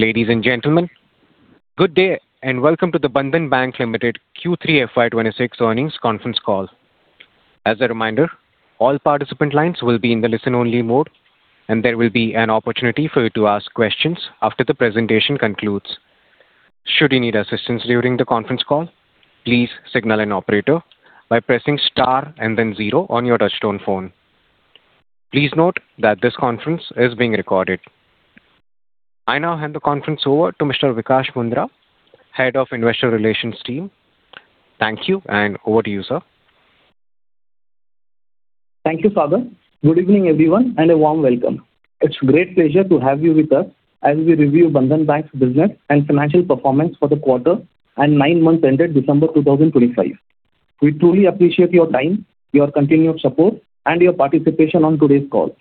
Ladies and gentlemen, good day and welcome to the Bandhan Bank Limited Q3 FY 2026 Earnings Conference Call. As a reminder, all participant lines will be in the listen-only mode, and there will be an opportunity for you to ask questions after the presentation concludes. Should you need assistance during the conference call, please signal an operator by pressing star and then zero on your touch-tone phone. Please note that this conference is being recorded. I now hand the conference over to Mr. Vikash Mundhra, Head of Investor Relations Team. Thank you, and over to you, sir. Thank you, Operator. Good evening, everyone, and a warm welcome. It's a great pleasure to have you with us as we review Bandhan Bank's business and financial performance for the quarter and nine months ended December 2025. We truly appreciate your time, your continued support, and your participation on today's call.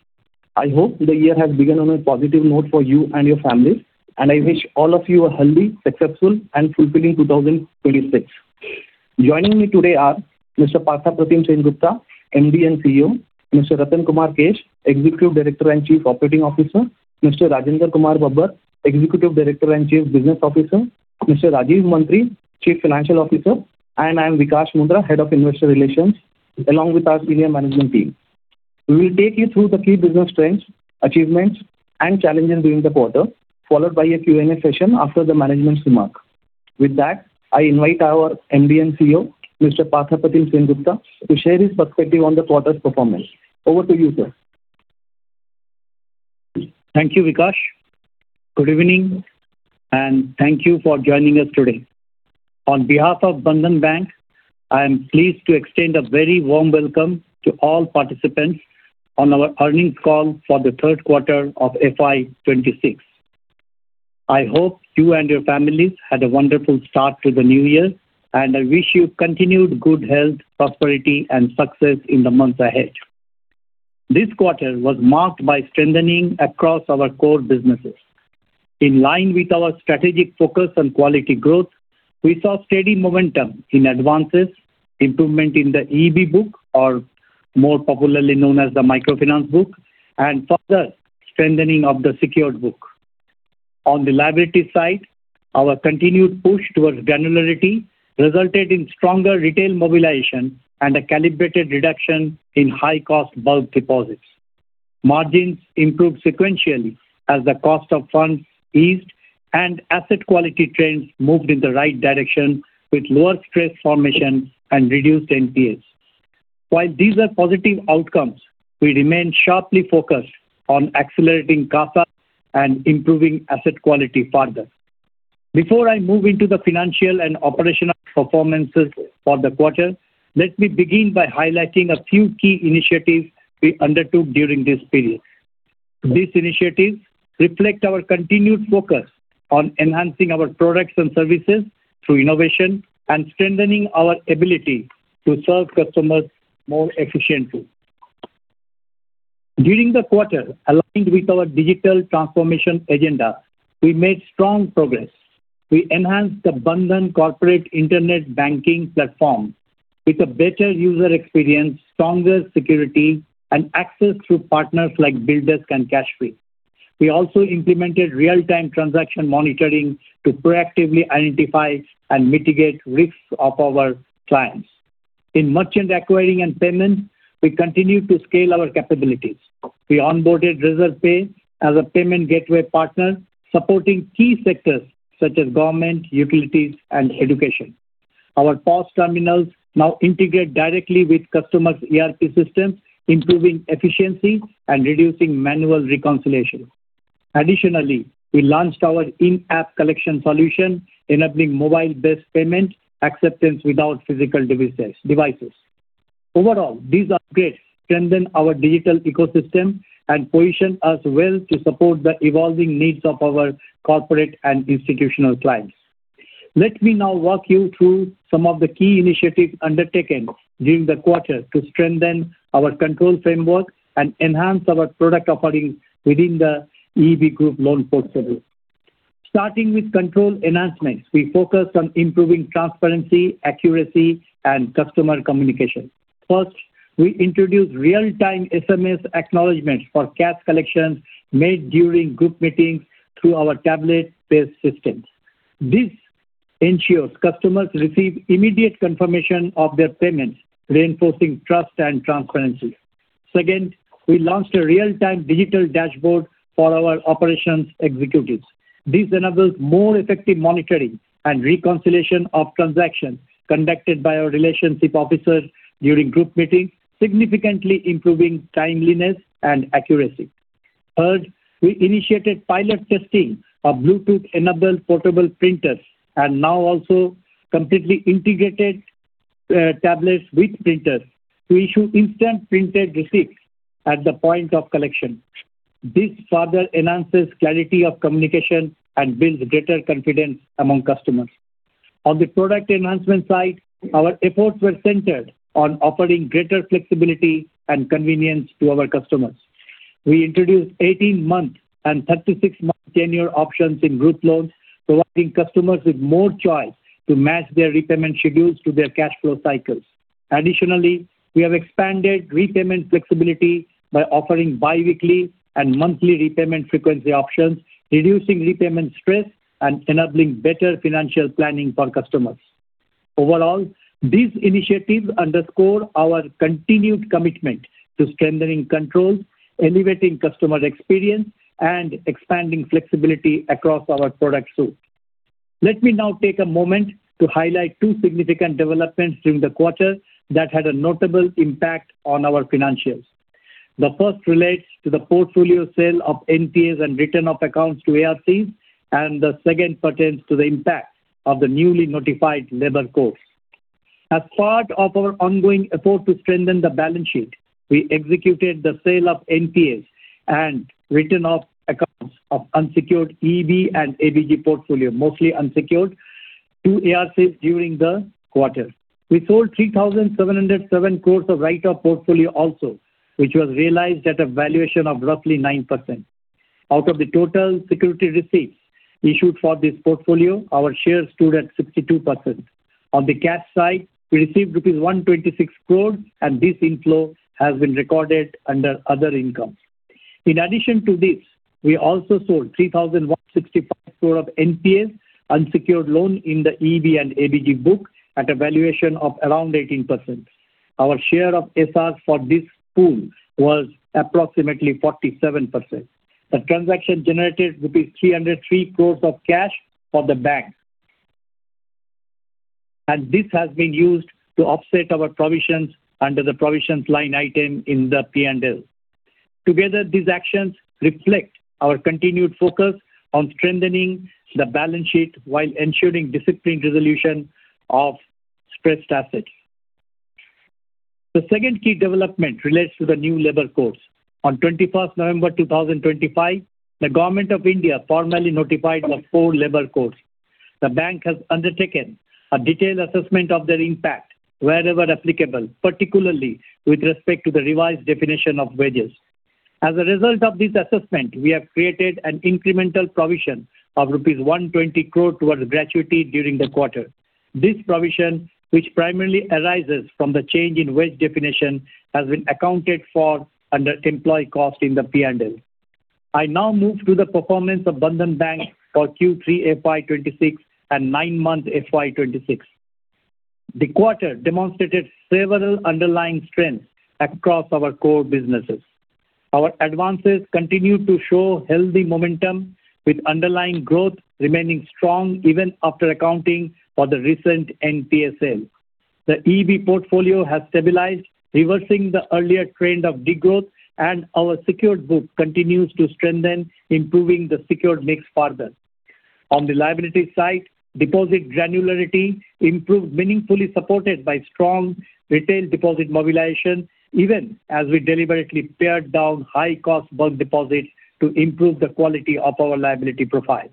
I hope the year has begun on a positive note for you and your families, and I wish all of you a healthy, successful, and fulfilling 2026. Joining me today are Mr. Partha Pratim Sengupta, MD and CEO, Mr. Ratan Kumar Kesh, Executive Director and Chief Operating Officer, Mr. Rajinder Kumar Babbar, Executive Director and Chief Business Officer, Mr. Rajeev Mantri, Chief Financial Officer, and I'm Vikash Mundhra, Head of Investor Relations, along with our senior management team. We will take you through the key business trends, achievements, and challenges during the quarter, followed by a Q&A session after the management's remarks. With that, I invite our MD and CEO, Mr. Partha Pratim Sengupta, to share his perspective on the quarter's performance. Over to you, sir. Thank you, Vikash. Good evening, and thank you for joining us today. On behalf of Bandhan Bank, I am pleased to extend a very warm welcome to all participants on our earnings call for the Q3 of FY 2026. I hope you and your families had a wonderful start to the new year, and I wish you continued good health, prosperity, and success in the months ahead. This quarter was marked by strengthening across our core businesses. In line with our strategic focus on quality growth, we saw steady momentum in advances, improvement in the EEB book, or more popularly known as the microfinance book, and further strengthening of the secured book. On the liability side, our continued push towards granularity resulted in stronger retail mobilization and a calibrated reduction in high-cost bulk deposits. Margins improved sequentially as the cost of funds eased and asset quality trends moved in the right direction with lower stress formation and reduced NPA. While these are positive outcomes, we remain sharply focused on accelerating CASA and improving asset quality further. Before I move into the financial and operational performances for the quarter, let me begin by highlighting a few key initiatives we undertook during this period. These initiatives reflect our continued focus on enhancing our products and services through innovation and strengthening our ability to serve customers more efficiently. During the quarter, aligned with our digital transformation agenda, we made strong progress. We enhanced the Bandhan Corporate Internet Banking platform with a better user experience, stronger security, and access through partners like BillDesk and Cashfree. We also implemented real-time transaction monitoring to proactively identify and mitigate risks of our clients. In merchant acquiring and payment, we continued to scale our capabilities. We onboarded Razorpay as a payment gateway partner, supporting key sectors such as government, utilities, and education. Our POS Terminals now integrate directly with customers' ERP systems, improving efficiency and reducing manual reconciliation. Additionally, we launched our in-app collection solution, enabling mobile-based payment acceptance without physical devices. Overall, these upgrades strengthen our digital ecosystem and position us well to support the evolving needs of our corporate and institutional clients. Let me now walk you through some of the key initiatives undertaken during the quarter to strengthen our control framework and enhance our product offerings within the EB Book loan portfolio. Starting with control enhancements, we focused on improving transparency, accuracy, and customer communication. First, we introduced real-time SMS acknowledgments for cash collections made during group meetings through our tablet-based systems. This ensures customers receive immediate confirmation of their payments, reinforcing trust and transparency. Second, we launched a real-time digital dashboard for our operations executives. This enables more effective monitoring and reconciliation of transactions conducted by our relationship officers during group meetings, significantly improving timeliness and accuracy. Third, we initiated pilot testing of Bluetooth-enabled portable printers and now also completely integrated tablets with printers to issue instant printed receipts at the point of collection. This further enhances clarity of communication and builds greater confidence among customers. On the product enhancement side, our efforts were centered on offering greater flexibility and convenience to our customers. We introduced 18-month and 36-month tenure options in group loans, providing customers with more choice to match their repayment schedules to their cash flow cycles. Additionally, we have expanded repayment flexibility by offering biweekly and monthly repayment frequency options, reducing repayment stress and enabling better financial planning for customers. Overall, these initiatives underscore our continued commitment to strengthening controls, elevating customer experience, and expanding flexibility across our product suite. Let me now take a moment to highlight two significant developments during the quarter that had a notable impact on our financials. The first relates to the portfolio sale of NPA and return of accounts to ARCs, and the second pertains to the impact of the newly notified labor codes. As part of our ongoing effort to strengthen the balance sheet, we executed the sale of NPA and return of accounts of unsecured EB and ABG portfolio, mostly unsecured, to ARCs during the quarter. We sold 3,707 crores of write-off portfolio also, which was realized at a valuation of roughly 9%. Out of the total security receipts issued for this portfolio, our shares stood at 62%. On the cash side, we received rupees 126 crore, and this inflow has been recorded under other income. In addition to this, we also sold 3,165 crore of NPA unsecured loan in the EB and ABG book at a valuation of around 18%. Our share of SRs for this pool was approximately 47%. The transaction generated rupees 303 crores of cash for the bank, and this has been used to offset our provisions under the provisions line item in the P&L. Together, these actions reflect our continued focus on strengthening the balance sheet while ensuring disciplined resolution of stressed assets. The second key development relates to the new Labor Codes. On 21st November 2025, the Government of India formally notified the four Labor Codes. The bank has undertaken a detailed assessment of their impact wherever applicable, particularly with respect to the revised definition of wages. As a result of this assessment, we have created an incremental provision of rupees 120 crore towards gratuity during the quarter. This provision, which primarily arises from the change in wage definition, has been accounted for under employee cost in the P&L. I now move to the performance of Bandhan Bank for Q3 FY 2026 and nine months FY 2026. The quarter demonstrated several underlying strengths across our core businesses. Our advances continue to show healthy momentum, with underlying growth remaining strong even after accounting for the recent NPA sale. The EB portfolio has stabilized, reversing the earlier trend of degrowth, and our secured book continues to strengthen, improving the secured mix further. On the liability side, deposit granularity improved, meaningfully supported by strong retail deposit mobilization, even as we deliberately pared down high-cost bulk deposits to improve the quality of our liability profile.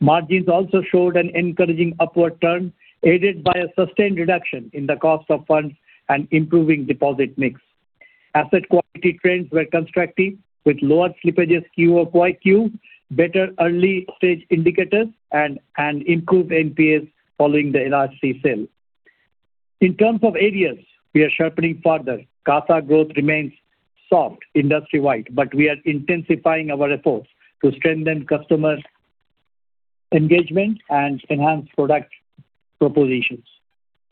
Margins also showed an encouraging upward turn, aided by a sustained reduction in the cost of funds and improving deposit mix. Asset quality trends were constructive, with lower slippages QoQ, better early-stage indicators, and improved NPAs following the ARC sale. In terms of areas we are sharpening further, CASA growth remains soft industry-wide, but we are intensifying our efforts to strengthen customer engagement and enhance product propositions.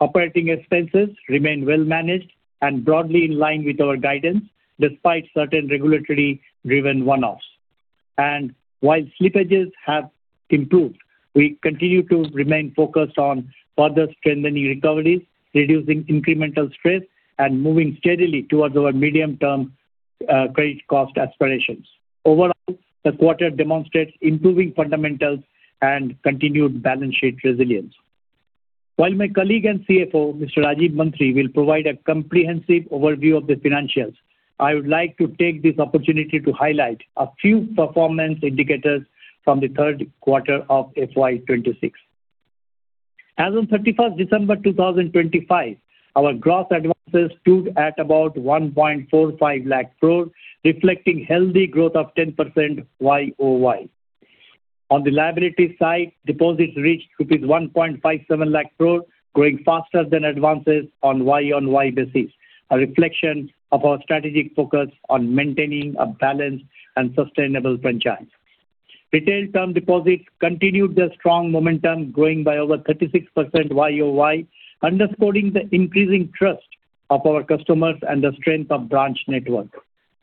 Operating expenses remain well-managed and broadly in line with our guidance, despite certain regulatory-driven one-offs. And while slippages have improved, we continue to remain focused on further strengthening recoveries, reducing incremental stress, and moving steadily towards our medium-term credit cost aspirations. Overall, the quarter demonstrates improving fundamentals and continued balance sheet resilience. While my colleague and CFO, Mr. Rajeev Mantri, will provide a comprehensive overview of the financials, I would like to take this opportunity to highlight a few performance indicators from the Q3 of FY 2026. As of 31st December 2025, our gross advances stood at about 1.45 lakh crore, reflecting healthy growth of 10% YOY. On the liability side, deposits reached rupees 1.57 lakh crore, growing faster than advances on Y-on-Y basis, a reflection of our strategic focus on maintaining a balanced and sustainable franchise. Retail term deposits continued their strong momentum, growing by over 36% YOY, underscoring the increasing trust of our customers and the strength of branch network.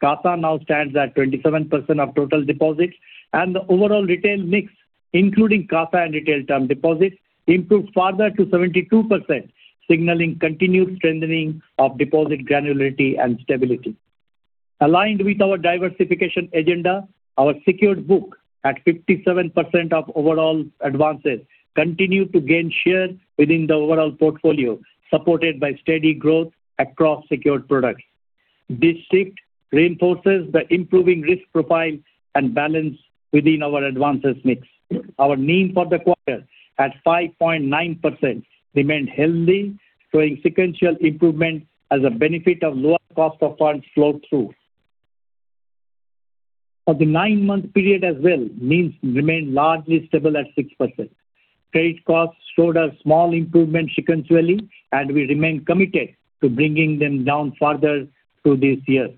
CASA now stands at 27% of total deposits, and the overall retail mix, including CASA and retail term deposits, improved further to 72%, signaling continued strengthening of deposit granularity and stability. Aligned with our diversification agenda, our secured book at 57% of overall advances continued to gain share within the overall portfolio, supported by steady growth across secured products. This shift reinforces the improving risk profile and balance within our advances mix. Our NIM for the quarter at 5.9% remained healthy, showing sequential improvement as a benefit of lower cost of funds flow-through. For the nine-month period as well, NIM remained largely stable at 6%. Credit costs showed a small improvement sequentially, and we remained committed to bringing them down further through this year.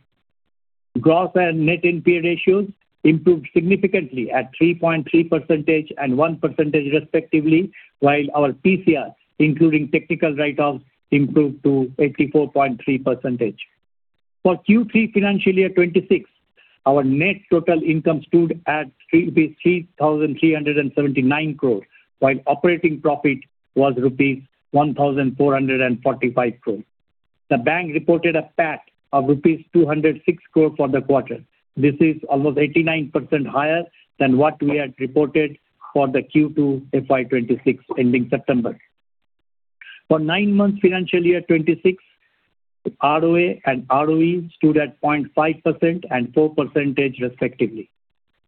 Gross and net NPA ratios improved significantly at 3.3% and 1% respectively, while our PCRs, including technical write-offs, improved to 84.3%. For Q3 financial year 2026, our net total income stood at 3,379 crore, while operating profit was rupees 1,445 crore. The bank reported a PAT of rupees 206 crore for the quarter. This is almost 89% higher than what we had reported for the Q2 FY 2026 ending September. For nine-month financial year 26, ROA and ROE stood at 0.5% and 4% respectively.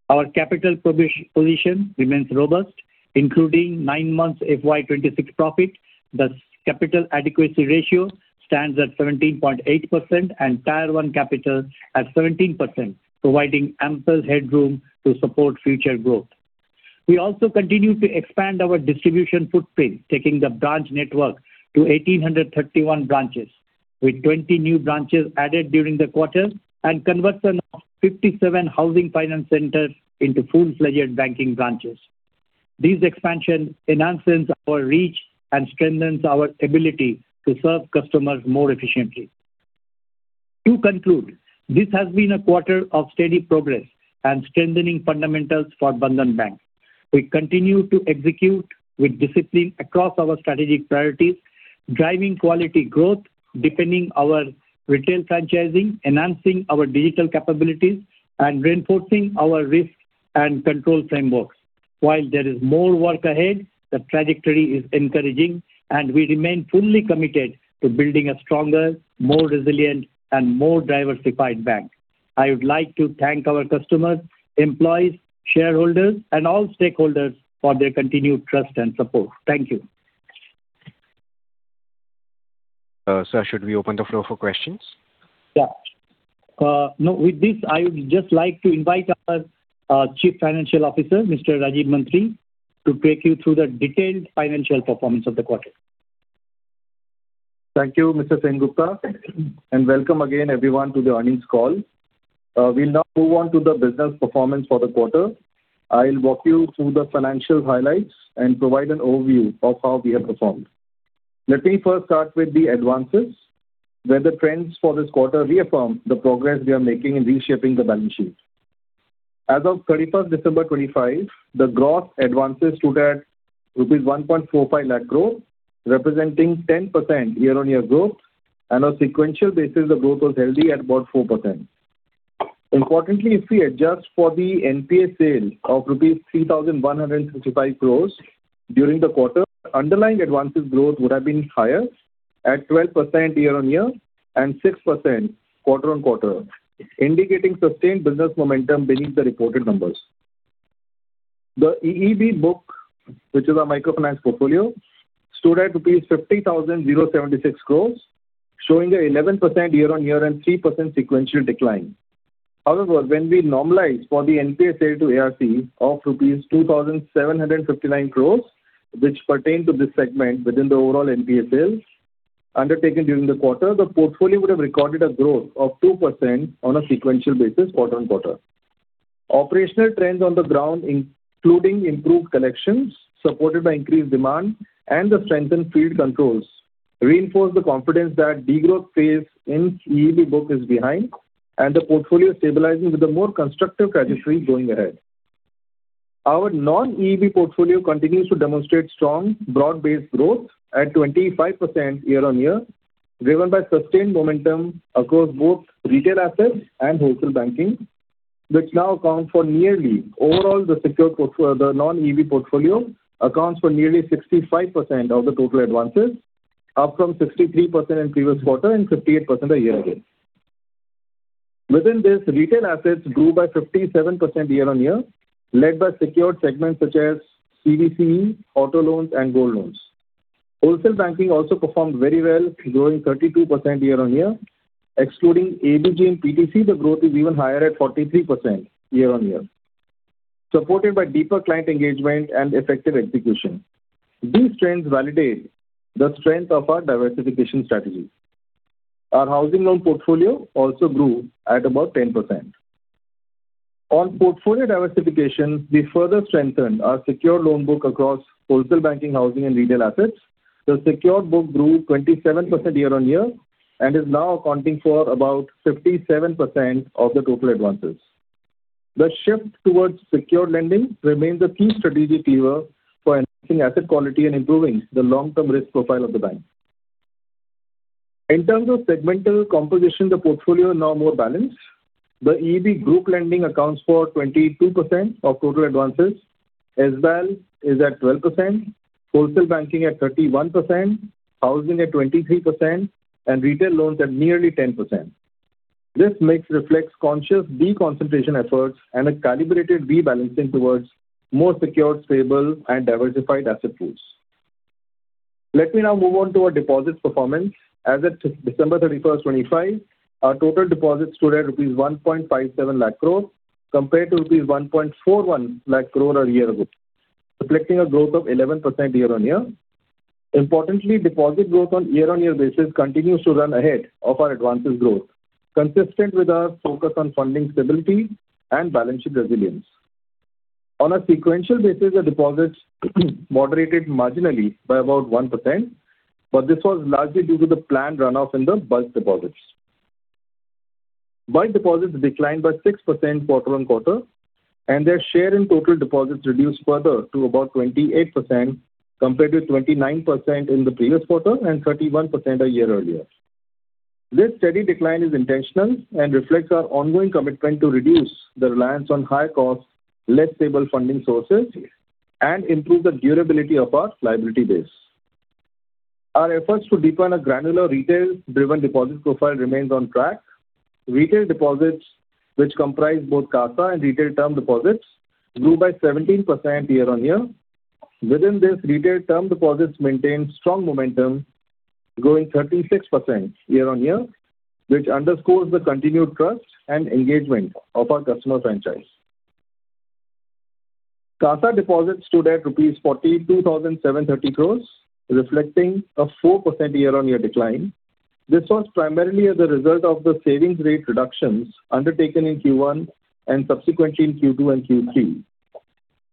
Our capital position remains robust, including nine-month FY 2026 profit. The capital adequacy ratio stands at 17.8%, and Tier-one capital at 17%, providing ample headroom to support future growth. We also continue to expand our distribution footprint, taking the branch network to 1,831 branches, with 20 new branches added during the quarter and conversion of 57 housing finance centers into full-fledged banking branches. This expansion enhances our reach and strengthens our ability to serve customers more efficiently. To conclude, this has been a quarter of steady progress and strengthening fundamentals for Bandhan Bank. We continue to execute with discipline across our strategic priorities, driving quality growth, deepening our retail franchising, enhancing our digital capabilities, and reinforcing our risk and control frameworks. While there is more work ahead, the trajectory is encouraging, and we remain fully committed to building a stronger, more resilient, and more diversified bank. I would like to thank our customers, employees, shareholders, and all stakeholders for their continued trust and support. Thank you. Sir, should we open the floor for questions? Yeah. No, with this, I would just like to invite our Chief Financial Officer, Mr. Rajeev Mantri, to take you through the detailed financial performance of the quarter. Thank you, Mr. Sengupta, and welcome again everyone to the earnings call. We'll now move on to the business performance for the quarter. I'll walk you through the financial highlights and provide an overview of how we have performed. Let me first start with the advances, where the trends for this quarter reaffirm the progress we are making in reshaping the balance sheet. As of 31st December 2025, the gross advances stood at rupees 1.45 lakh crore, representing 10% year-on-year growth, and on a sequential basis, the growth was healthy at about 4%. Importantly, if we adjust for the NPA sale of rupees 3,165 crores during the quarter, underlying advances growth would have been higher at 12% year-on-year and 6% quarter-on-quarter, indicating sustained business momentum beneath the reported numbers. The EB book, which is our microfinance portfolio, stood at rupees 50,076 crore, showing an 11% year-on-year and 3% sequential decline. However, when we normalize for the NPA sale to ARC of rupees 2,759 crore, which pertained to this segment within the overall NPA sales undertaken during the quarter, the portfolio would have recorded a growth of 2% on a sequential basis quarter-on-quarter. Operational trends on the ground, including improved collections supported by increased demand and the strengthened field controls, reinforce the confidence that the degrowth phase in EB book is behind, and the portfolio is stabilizing with a more constructive trajectory going ahead. Our non-EB portfolio continues to demonstrate strong broad-based growth at 25% year-on-year, driven by sustained momentum across both retail assets and wholesale banking, which now accounts for nearly overall the secured portfolio. The non-EB portfolio accounts for nearly 65% of the total advances, up from 63% in the previous quarter and 58% a year ahead. Within this, retail assets grew by 57% year-on-year, led by secured segments such as CVCE, auto loans, and gold loans. Wholesale banking also performed very well, growing 32% year-on-year. Excluding ABG and PTC, the growth is even higher at 43% year-on-year, supported by deeper client engagement and effective execution. These trends validate the strength of our diversification strategy. Our housing loan portfolio also grew at about 10%. On portfolio diversification, we further strengthened our secured loan book across wholesale banking, housing, and retail assets. The secured book grew 27% year-on-year and is now accounting for about 57% of the total advances. The shift towards secured lending remains a key strategic lever for enhancing asset quality and improving the long-term risk profile of the bank. In terms of segmental composition, the portfolio is now more balanced. The EB group lending accounts for 22% of total advances, as well as at 12%, wholesale banking at 31%, housing at 23%, and retail loans at nearly 10%. This mix reflects conscious deconcentration efforts and a calibrated rebalancing towards more secured, stable, and diversified asset pools. Let me now move on to our deposits performance. As of 31st December 2025, our total deposits stood at rupees 1.57 lakh crore, compared to rupees 1.41 lakh crore a year ago, reflecting a growth of 11% year-on-year. Importantly, deposit growth on a year-on-year basis continues to run ahead of our advances growth, consistent with our focus on funding stability and balance sheet resilience. On a sequential basis, the deposits moderated marginally by about 1%, but this was largely due to the planned runoff in the bulk deposits. Bulk deposits declined by 6% quarter-on-quarter, and their share in total deposits reduced further to about 28%, compared to 29% in the previous quarter and 31% a year earlier. This steady decline is intentional and reflects our ongoing commitment to reduce the reliance on high-cost, less stable funding sources and improve the durability of our liability base. Our efforts to deepen a granular retail-driven deposit profile remain on track. Retail deposits, which comprise both CASA and retail term deposits, grew by 17% year-on-year. Within this, retail term deposits maintained strong momentum, going 36% year-on-year, which underscores the continued trust and engagement of our customer franchise. CASA deposits stood at rupees 42,730 crore, reflecting a 4% year-on-year decline. This was primarily as a result of the savings rate reductions undertaken in Q1 and subsequently in Q2 and Q3.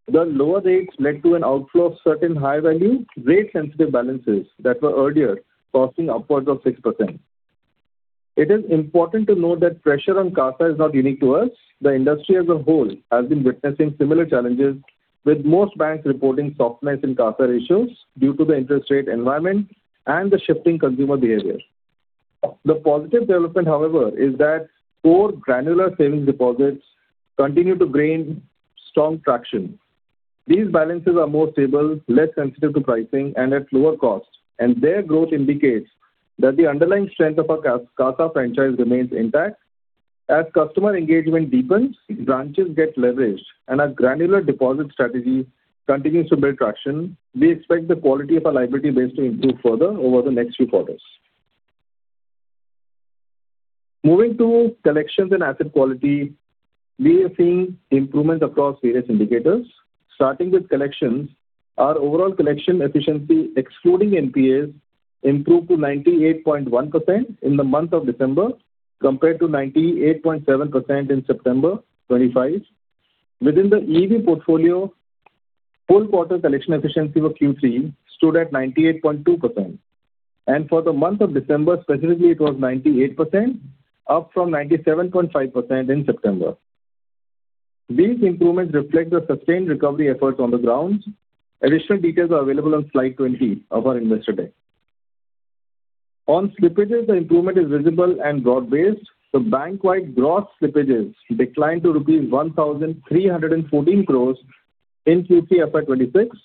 The lower rates led to an outflow of certain high-value rate-sensitive balances that were earlier, costing upwards of 6%. It is important to note that pressure on CASA is not unique to us. The industry as a whole has been witnessing similar challenges, with most banks reporting softness in CASA ratios due to the interest rate environment and the shifting consumer behavior. The positive development, however, is that core granular savings deposits continue to gain strong traction. These balances are more stable, less sensitive to pricing, and at lower cost, and their growth indicates that the underlying strength of our CASA franchise remains intact. As customer engagement deepens, branches get leveraged, and our granular deposit strategy continues to build traction. We expect the quality of our liability base to improve further over the next few quarters. Moving to collections and asset quality, we are seeing improvements across various indicators. Starting with collections, our overall collection efficiency, excluding NPAs, improved to 98.1% in the month of December, compared to 98.7% in September 2025. Within the EB portfolio, full-quarter collection efficiency for Q3 stood at 98.2%, and for the month of December specifically, it was 98%, up from 97.5% in September. These improvements reflect the sustained recovery efforts on the ground. Additional details are available on slide 20 of our investor deck. On slippages, the improvement is visible and broad-based. The bank-wide gross slippages declined to rupees 1,314 crore in Q3 FY 2026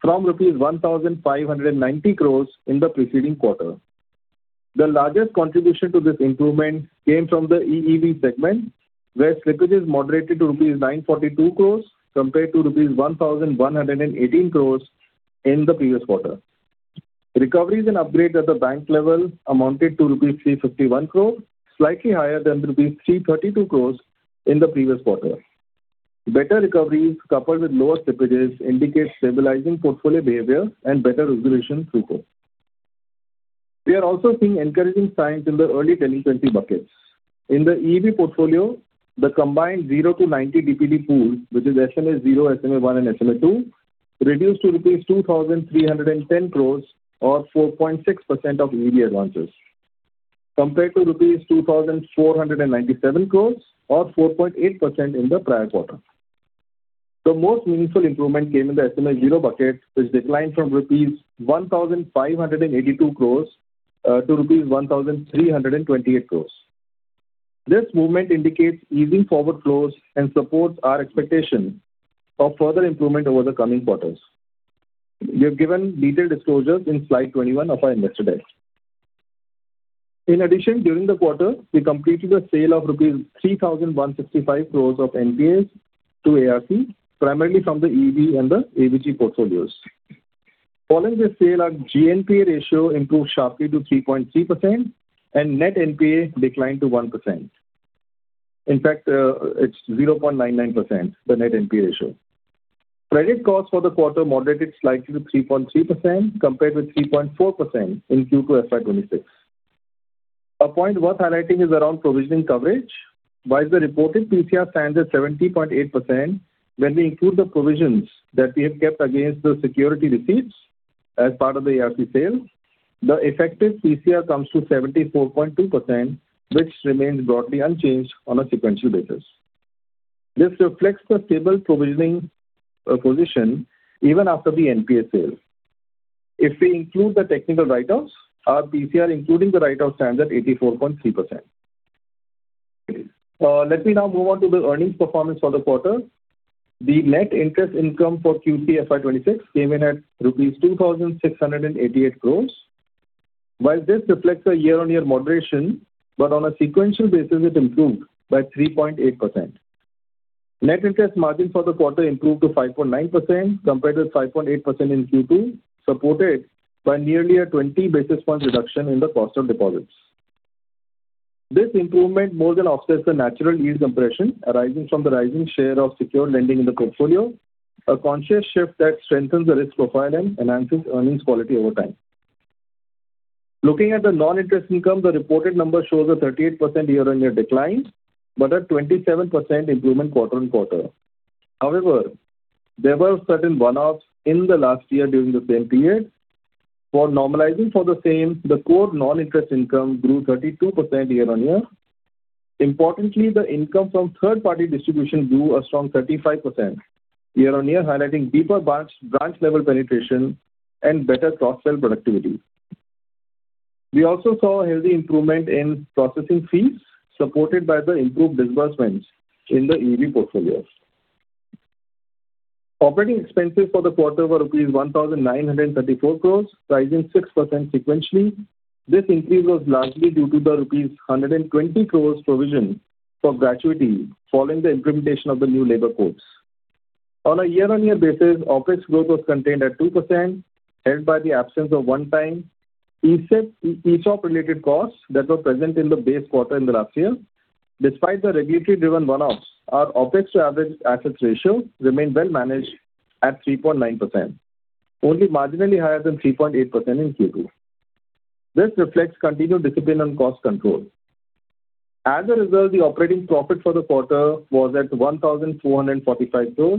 from rupees 1,590 crore in the preceding quarter. The largest contribution to this improvement came from the EB segment, where slippages moderated to rupees 942 crore compared to rupees 1,118 crore in the previous quarter. Recoveries and upgrades at the bank level amounted to rupees 351 crore, slightly higher than rupees 332 crore in the previous quarter. Better recoveries coupled with lower slippages indicate stabilizing portfolio behavior and better resolution throughput. We are also seeing encouraging signs in the early DPD buckets. In the EB portfolio, the combined 0 to 90 DPD pool, which is SMA 0, SMA 1, and SMA 2, reduced to rupees 2,310 crore, or 4.6% of EB advances, compared to rupees 2,497 crore, or 4.8% in the prior quarter. The most meaningful improvement came in the SMA 0 bucket, which declined from rupees 1,582 crore to rupees 1,328 crore. This movement indicates easing forward flows and supports our expectation of further improvement over the coming quarters. We have given detailed disclosures in slide 21 of our investor deck. In addition, during the quarter, we completed a sale of rupees 3,165 crore of NPAs to ARC, primarily from the EV and the ABG portfolios. Following this sale, our GNPA ratio improved sharply to 3.3%, and net NPA declined to 1%. In fact, it's 0.99%, the net NPA ratio. Credit costs for the quarter moderated slightly to 3.3%, compared with 3.4% in Q2 FY 2026. A point worth highlighting is around provisioning coverage. While the reported PCR stands at 70.8%, when we include the provisions that we have kept against the security receipts as part of the ARC sale, the effective PCR comes to 74.2%, which remains broadly unchanged on a sequential basis. This reflects the stable provisioning position even after the NPA sale. If we include the technical write-offs, our PCR, including the write-off, stands at 84.3%. Let me now move on to the earnings performance for the quarter. The net interest income for Q3 FY 2026 came in at rupees 2,688 crore. While this reflects a year-on-year moderation, but on a sequential basis, it improved by 3.8%. Net interest margin for the quarter improved to 5.9%, compared with 5.8% in Q2, supported by nearly a 20 basis point reduction in the cost of deposits. This improvement more than offsets the natural yield compression arising from the rising share of secured lending in the portfolio, a conscious shift that strengthens the risk profile and enhances earnings quality over time. Looking at the non-interest income, the reported number shows a 38% year-on-year decline, but a 27% improvement quarter-on-quarter. However, there were certain runoffs in the last year during the same period. For normalizing for the same, the core non-interest income grew 32% year-on-year. Importantly, the income from third-party distribution grew a strong 35% year-on-year, highlighting deeper branch-level penetration and better cross-sale productivity. We also saw a healthy improvement in processing fees, supported by the improved disbursements in the EV portfolios. Operating expenses for the quarter were rupees 1,934 crore, rising 6% sequentially. This increase was largely due to the rupees 120 crore provision for gratuity following the implementation of the new labor codes. On a year-on-year basis, OpEx growth was contained at 2%, held by the absence of one-time ESOP-related costs that were present in the base quarter in the last year. Despite the regulatory-driven runoffs, our OpEx-to-average assets ratio remained well-managed at 3.9%, only marginally higher than 3.8% in Q2. This reflects continued discipline on cost control. As a result, the operating profit for the quarter was at 1,445 crore,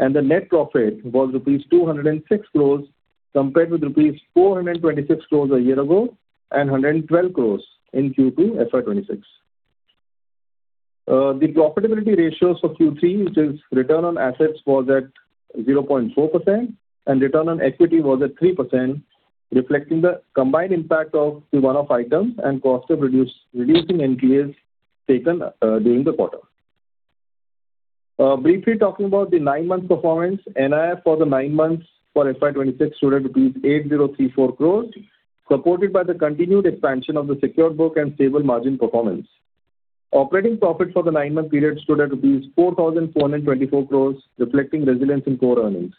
and the net profit was rupees 206 crore, compared with rupees 426 crore a year ago and 112 crore in Q2 FY 2026. The profitability ratios for Q3, which is return on assets, was at 0.4%, and return on equity was at 3%, reflecting the combined impact of the runoff items and cost of reducing NPAs taken during the quarter. Briefly talking about the nine-month performance, NII for the nine months for FY 2026 stood at rupees 8,034 crore, supported by the continued expansion of the secured book and stable margin performance. Operating profit for the nine-month period stood at rupees 4,424 crore, reflecting resilience in core earnings.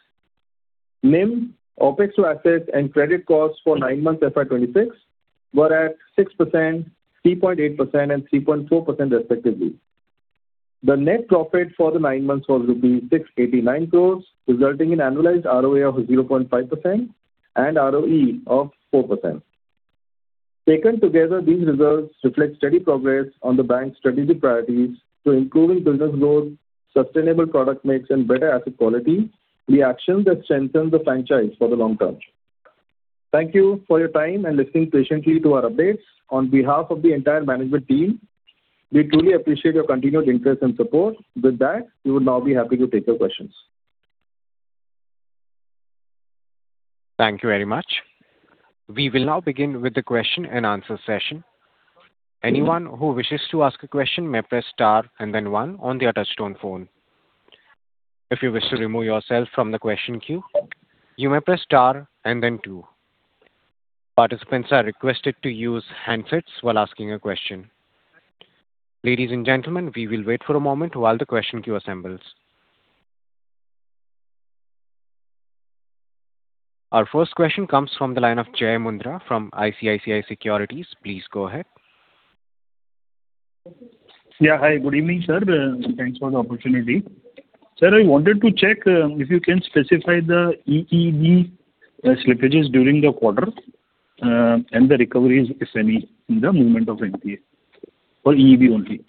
NIM, OpEx-to-assets, and credit costs for nine months FY 2026 were at 6%, 3.8%, and 3.4% respectively. The net profit for the nine months was rupees 689 crore, resulting in annualized ROA of 0.5% and ROE of 4%. Taken together, these results reflect steady progress on the bank's strategic priorities to improving business growth, sustainable product mix, and better asset quality, the actions that strengthen the franchise for the long term. Thank you for your time and listening patiently to our updates. On behalf of the entire management team, we truly appreciate your continued interest and support. With that, we would now be happy to take your questions. Thank you very much. We will now begin with the question and answer session. Anyone who wishes to ask a question may press star and then one on the touch-tone phone. If you wish to remove yourself from the question queue, you may press star and then two. Participants are requested to use handsets while asking a question. Ladies and gentlemen, we will wait for a moment while the question queue assembles. Our first question comes from the line of Jai Mundhra from ICICI Securities. Please go ahead. Yeah, hi. Good evening, sir. Thanks for the opportunity. Sir, I wanted to check if you can specify the EB slippages during the quarter and the recoveries, if any, in the movement of NPA for EB only.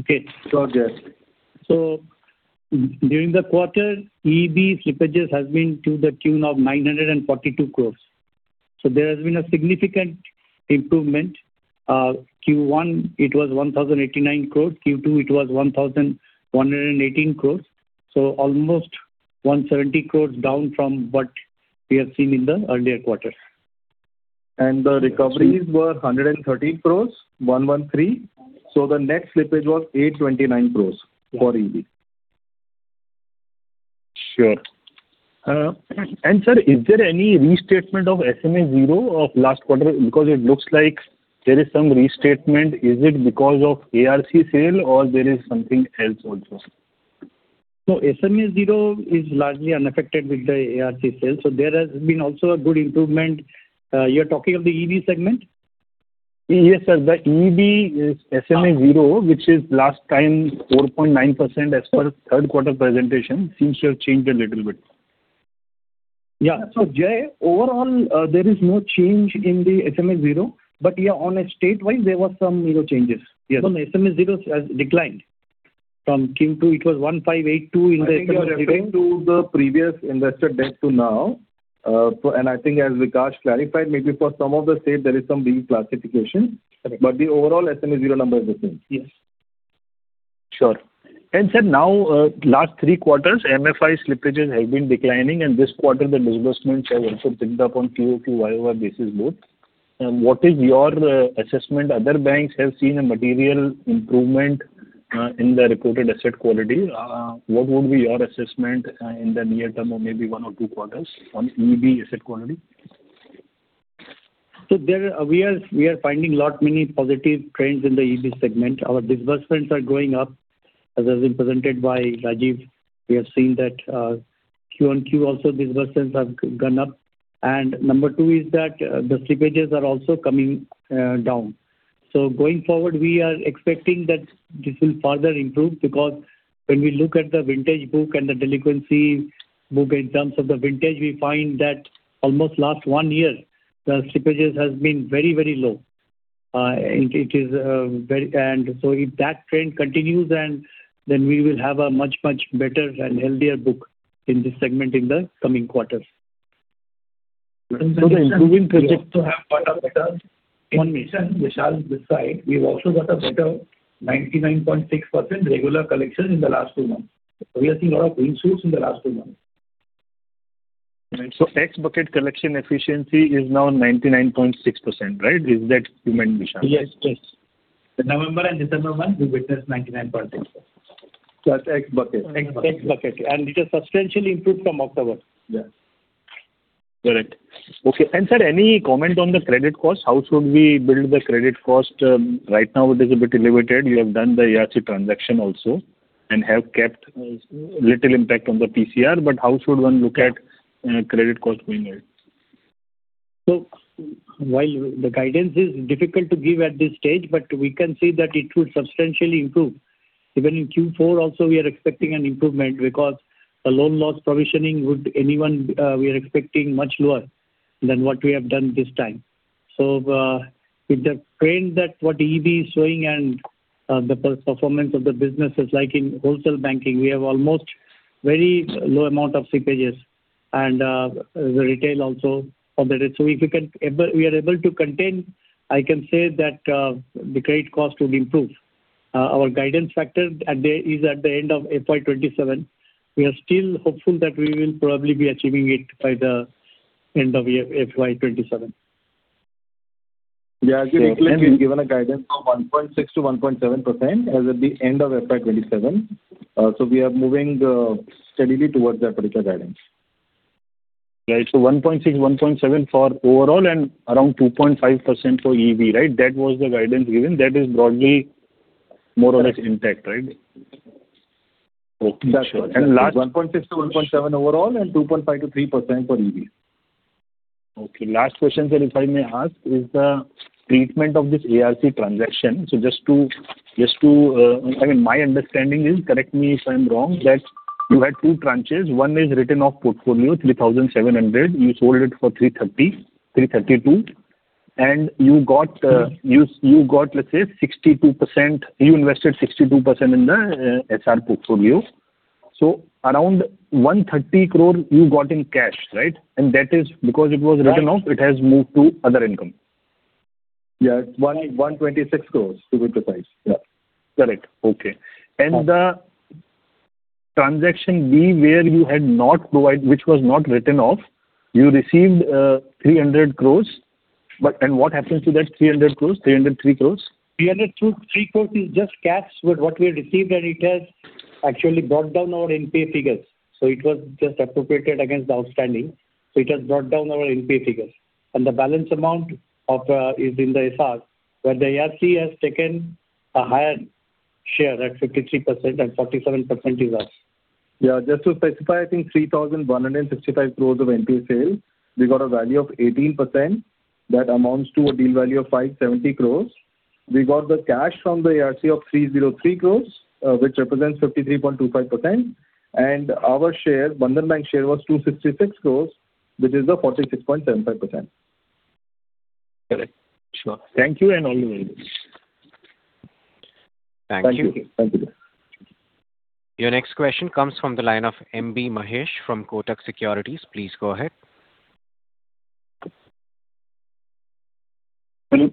Okay. Sure, Jay. So during the quarter, EEB slippages have been to the tune of 942 crore. So there has been a significant improvement. Q1, it was 1,089 crore. Q2, it was 1,118 crore. So almost 170 crore down from what we have seen in the earlier quarter. And the recoveries were 113 crore, 113. So the net slippage was 829 crore for EEB. Sure. And sir, is there any restatement of SMA 0 of last quarter? Because it looks like there is some restatement. Is it because of ARC sale, or there is something else also? So SMA 0 is largely unaffected with the ARC sale. So there has been also a good improvement. You're talking of the EEB segment? Yes, sir. The EEB is SMA 0, which is last time 4.9% as per Q3 presentation. Seems to have changed a little bit. Yeah. So Jai, overall, there is no change in the SMA 0. But yeah, on a state-wise, there were some changes. SMA 0 has declined from Q2. It was 1582 in the SMA 0. Compared to the previous investor deck to now, and I think as Vikash clarified, maybe for some of the states, there is some declassification. But the overall SMA 0 number is the same. Yes. Sure. And sir, now, last three quarters, MFI slippages have been declining, and this quarter, the disbursements have also ticked up on QOQ, YOY basis both. What is your assessment? Other banks have seen a material improvement in the reported asset quality. What would be your assessment in the near term or maybe one or two quarters on EEB asset quality? So we are finding a lot many positive trends in the EEB segment. Our disbursements are going up, as has been presented by Rajeev. We have seen that QoQ also disbursements have gone up, and number two is that the slippages are also coming down. So going forward, we are expecting that this will further improve because when we look at the vintage book and the delinquency book in terms of the vintage, we find that almost last one year, the slippages have been very, very low. And so if that trend continues, then we will have a much, much better and healthier book in this segment in the coming quarters. So the improving prospects to have got a better NIM. On Vishal's side, we've also got a better 99.6% regular collection in the last two months. We are seeing a lot of green shoots in the last two months. So X bucket collection efficiency is now 99.6%, right? Is that you meant, Vishal? Yes, yes. November and December month, we witnessed 99.6%. That's X bucket. X bucket. And it has substantially improved from October. Yeah. Correct. Okay. And sir, any comment on the credit cost? How should we build the credit cost? Right now, it is a bit elevated. We have done the ARC transaction also and have kept little impact on the PCR. But how should one look at credit cost going ahead? So while the guidance is difficult to give at this stage, but we can see that it would substantially improve. Even in Q4 also, we are expecting an improvement because the loan loss provisioning would anyone we are expecting much lower than what we have done this time. So with the trend that what EEB is showing and the performance of the business is like in wholesale banking, we have almost very low amount of slippages. And the retail also for the rate. So if we can we are able to contain, I can say that the credit cost would improve. Our guidance factor is at the end of FY 2027. We are still hopeful that we will probably be achieving it by the end of FY 2027. Yeah. As you look at it, we've given a guidance of 1.6%-1.7% as at the end of FY 2027. So we are moving steadily towards that particular guidance. Right. So 1.6, 1.7 for overall and around 2.5% for EEB, right? That was the guidance given. That is broadly more or less intact, right? Okay. That's right. And last 1.6% to 1.7% overall and 2.5% to 3% for EEB. Okay. Last question, sir, if I may ask, is the treatment of this ARC transaction? So just to, I mean, my understanding is, correct me if I'm wrong, that you had two tranches. One is written off portfolio, ₹3,700. You sold it for ₹332. And you got, let's say, 62%. You invested 62% in the SR portfolio. So around ₹130 crore you got in cash, right? And that is because it was written off, it has moved to other income. Yeah. It's ₹126 crore, to be precise. Yeah. Correct. Okay. And the transaction B where you had not provided, which was not written off, you received ₹300 crore. And what happened to that ₹300 crore? ₹303 crore? ₹303 crore is just cash with what we received, and it has actually brought down our NPA figures. So it was just appropriated against the outstanding. So it has brought down our NPA figures. And the balance amount is in the SR, where the ARC has taken a higher share at 53% and 47% is us. Yeah. Just to specify, I think 3,165 crore of NPA sale. We got a value of 18%. That amounts to a deal value of 570 crore. We got the cash from the ARC of 303 crore, which represents 53.25%. And our share, Bandhan Bank share was 266 crore, which is the 46.75%. Correct. Sure. Thank you one and all. Well. Thank you. Thank you. Thank you. Your next question comes from the line of M.B. Mahesh from Kotak Securities. Please go ahead. Hello.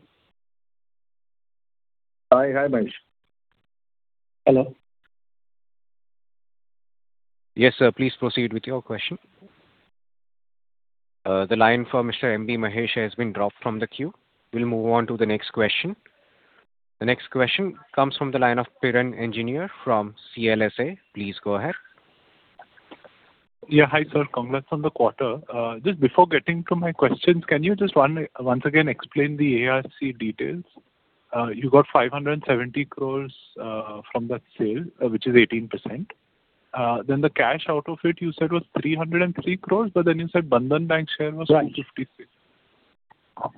Hi. Hi, Mahesh. Hello. Yes, sir. Please proceed with your question. The line for Mr. M.B. Mahesh has been dropped from the queue. We'll move on to the next question. The next question comes from the line of Piran Engineer from CLSA. Please go ahead. Yeah. Hi, sir. Congrats on the quarter. Just before getting to my questions, can you just once again explain the ARC details? You got 570 crore from that sale, which is 18%. Then the cash out of it, you said was 303 crore, but then you said Bandhan Bank share was 256 crore.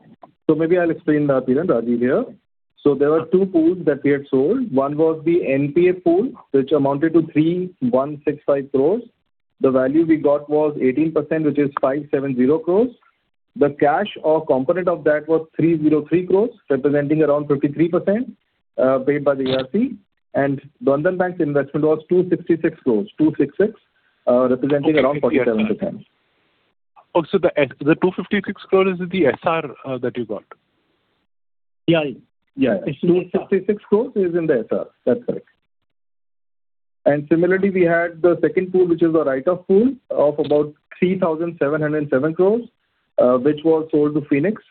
So maybe I'll explain that in a Rajeev here. So there were two pools that we had sold. One was the NPA pool, which amounted to 3,165 crore. The value we got was 18%, which is 570 crore. The cash or component of that was 303 crore, representing around 53% paid by the ARC. And Bandhan Bank's investment was 266 crore, 266 crore, representing around 47%. Oh, so the 256 crore is the SR that you got? Yeah. Yeah. 266 crore is in the SR. That's correct. And similarly, we had the second pool, which is the write-off pool, of about 3,707 crore, which was sold to Phoenix.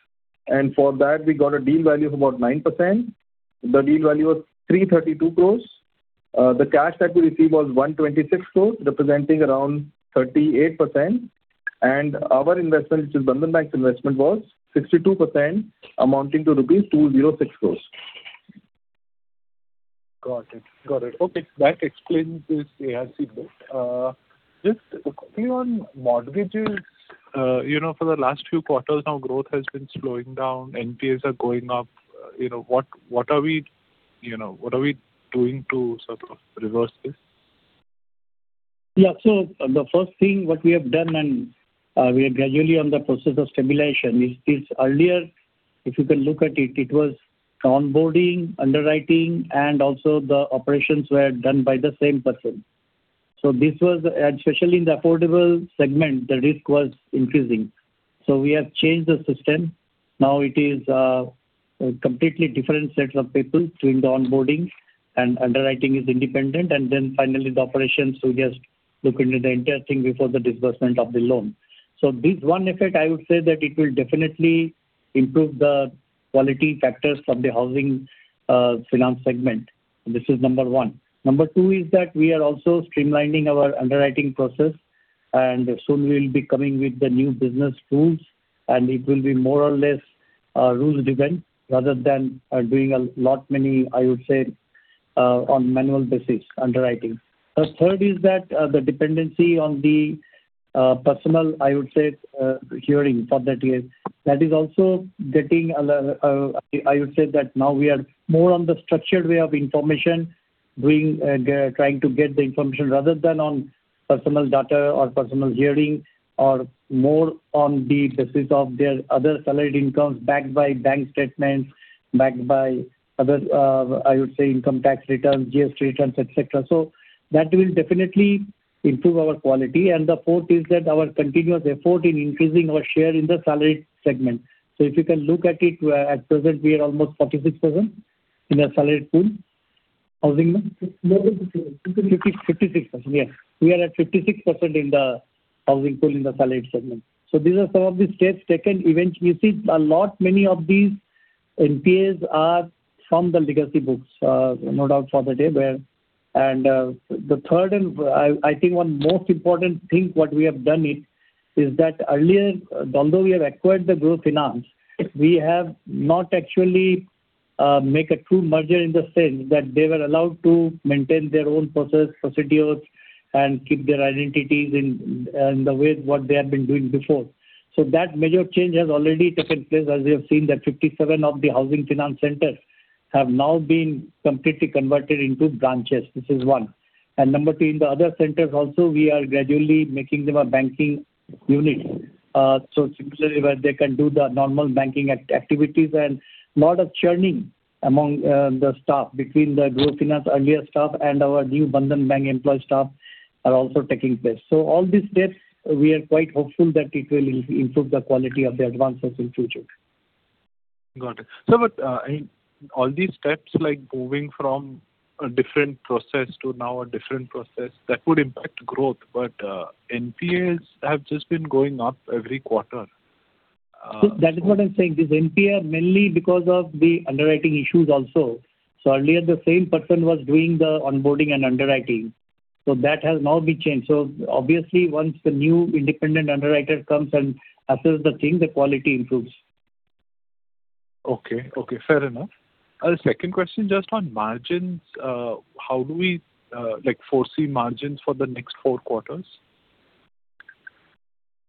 And for that, we got a deal value of about 9%. The deal value was 332 crore. The cash that we received was 126 crore, representing around 38%. And our investment, which is Bandhan Bank's investment, was 62%, amounting to rupees 206 crore. Got it. Got it. Okay. That explains this ARC bit. Just quickly on mortgages, for the last few quarters, now growth has been slowing down. NPAs are going up. What are we doing to sort of reverse this? Yeah. So the first thing, what we have done, and we are gradually on the process of segregation, is this earlier, if you can look at it, it was onboarding, underwriting, and also the operations were done by the same person. So this was, especially in the affordable segment, the risk was increasing. So we have changed the system. Now it is a completely different set of people doing the onboarding, and underwriting is independent. And then finally, the operations, we just look into the entire thing before the disbursement of the loan. So this one effect, I would say that it will definitely improve the quality factors from the housing finance segment. This is number one. Number two is that we are also streamlining our underwriting process, and soon we will be coming with the new business rules, and it will be more or less rules-driven rather than doing a lot many, I would say, on manual basis underwriting. The third is that the dependency on the personal, I would say, hearing for that year, that is also getting, I would say, that now we are more on the structured way of information, trying to get the information rather than on personal data or personal hearing or more on the basis of their other salaried incomes backed by bank statements, backed by other, I would say, income tax returns, GST returns, etc. So that will definitely improve our quality. And the fourth is that our continuous effort in increasing our share in the salaried segment. So if you can look at it, at present, we are almost 46% in the salaried pool. Housing? 56%. 56%. Yeah. We are at 56% in the housing pool in the salaried segment. So these are some of the steps taken. Eventually, you see a lot many of these NPAs are from the legacy books, no doubt about that. And the third, and I think one most important thing what we have done is that earlier, although we have acquired the GrUH Finance, we have not actually made a true merger in the sense that they were allowed to maintain their own process, procedures, and keep their identities in the way what they have been doing before. So that major change has already taken place, as you have seen that 57 of the housing finance centers have now been completely converted into branches. This is one. And number two, in the other centers also, we are gradually making them a banking unit. So similarly, where they can do the normal banking activities and a lot of churning among the staff between the GRUH Finance earlier staff and our new Bandhan Bank employee staff are also taking place. So all these steps, we are quite hopeful that it will improve the quality of the advances in future. Got it. So, but I mean, all these steps, like moving from a different process to now a different process, that would impact growth. But NPAs have just been going up every quarter. That is what I'm saying. This NPA mainly because of the underwriting issues also. So earlier, the same person was doing the onboarding and underwriting. So that has now been changed. So obviously, once the new independent underwriter comes and assesses the thing, the quality improves. Okay. Okay. Fair enough. A second question, just on margins. How do we foresee margins for the next four quarters?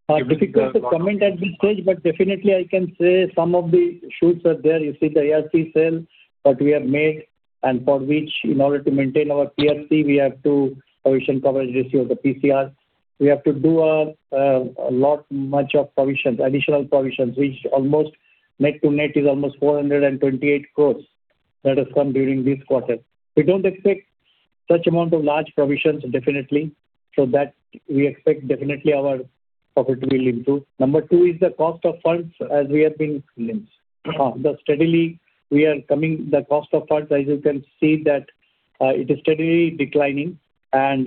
It's difficult to comment at this stage, but definitely, I can say some of the shoots are there. You see the ARC sale, what we have made, and for which, in order to maintain our PCR, we have to provision coverage issue of the PCR. We have to do a lot much of provisions, additional provisions, which almost net to net is almost 428 crore that has come during this quarter. We don't expect such amount of large provisions, definitely. So that we expect definitely our profit will improve. Number two is the cost of funds, as we have been steadily, we are coming the cost of funds, as you can see that it is steadily declining. In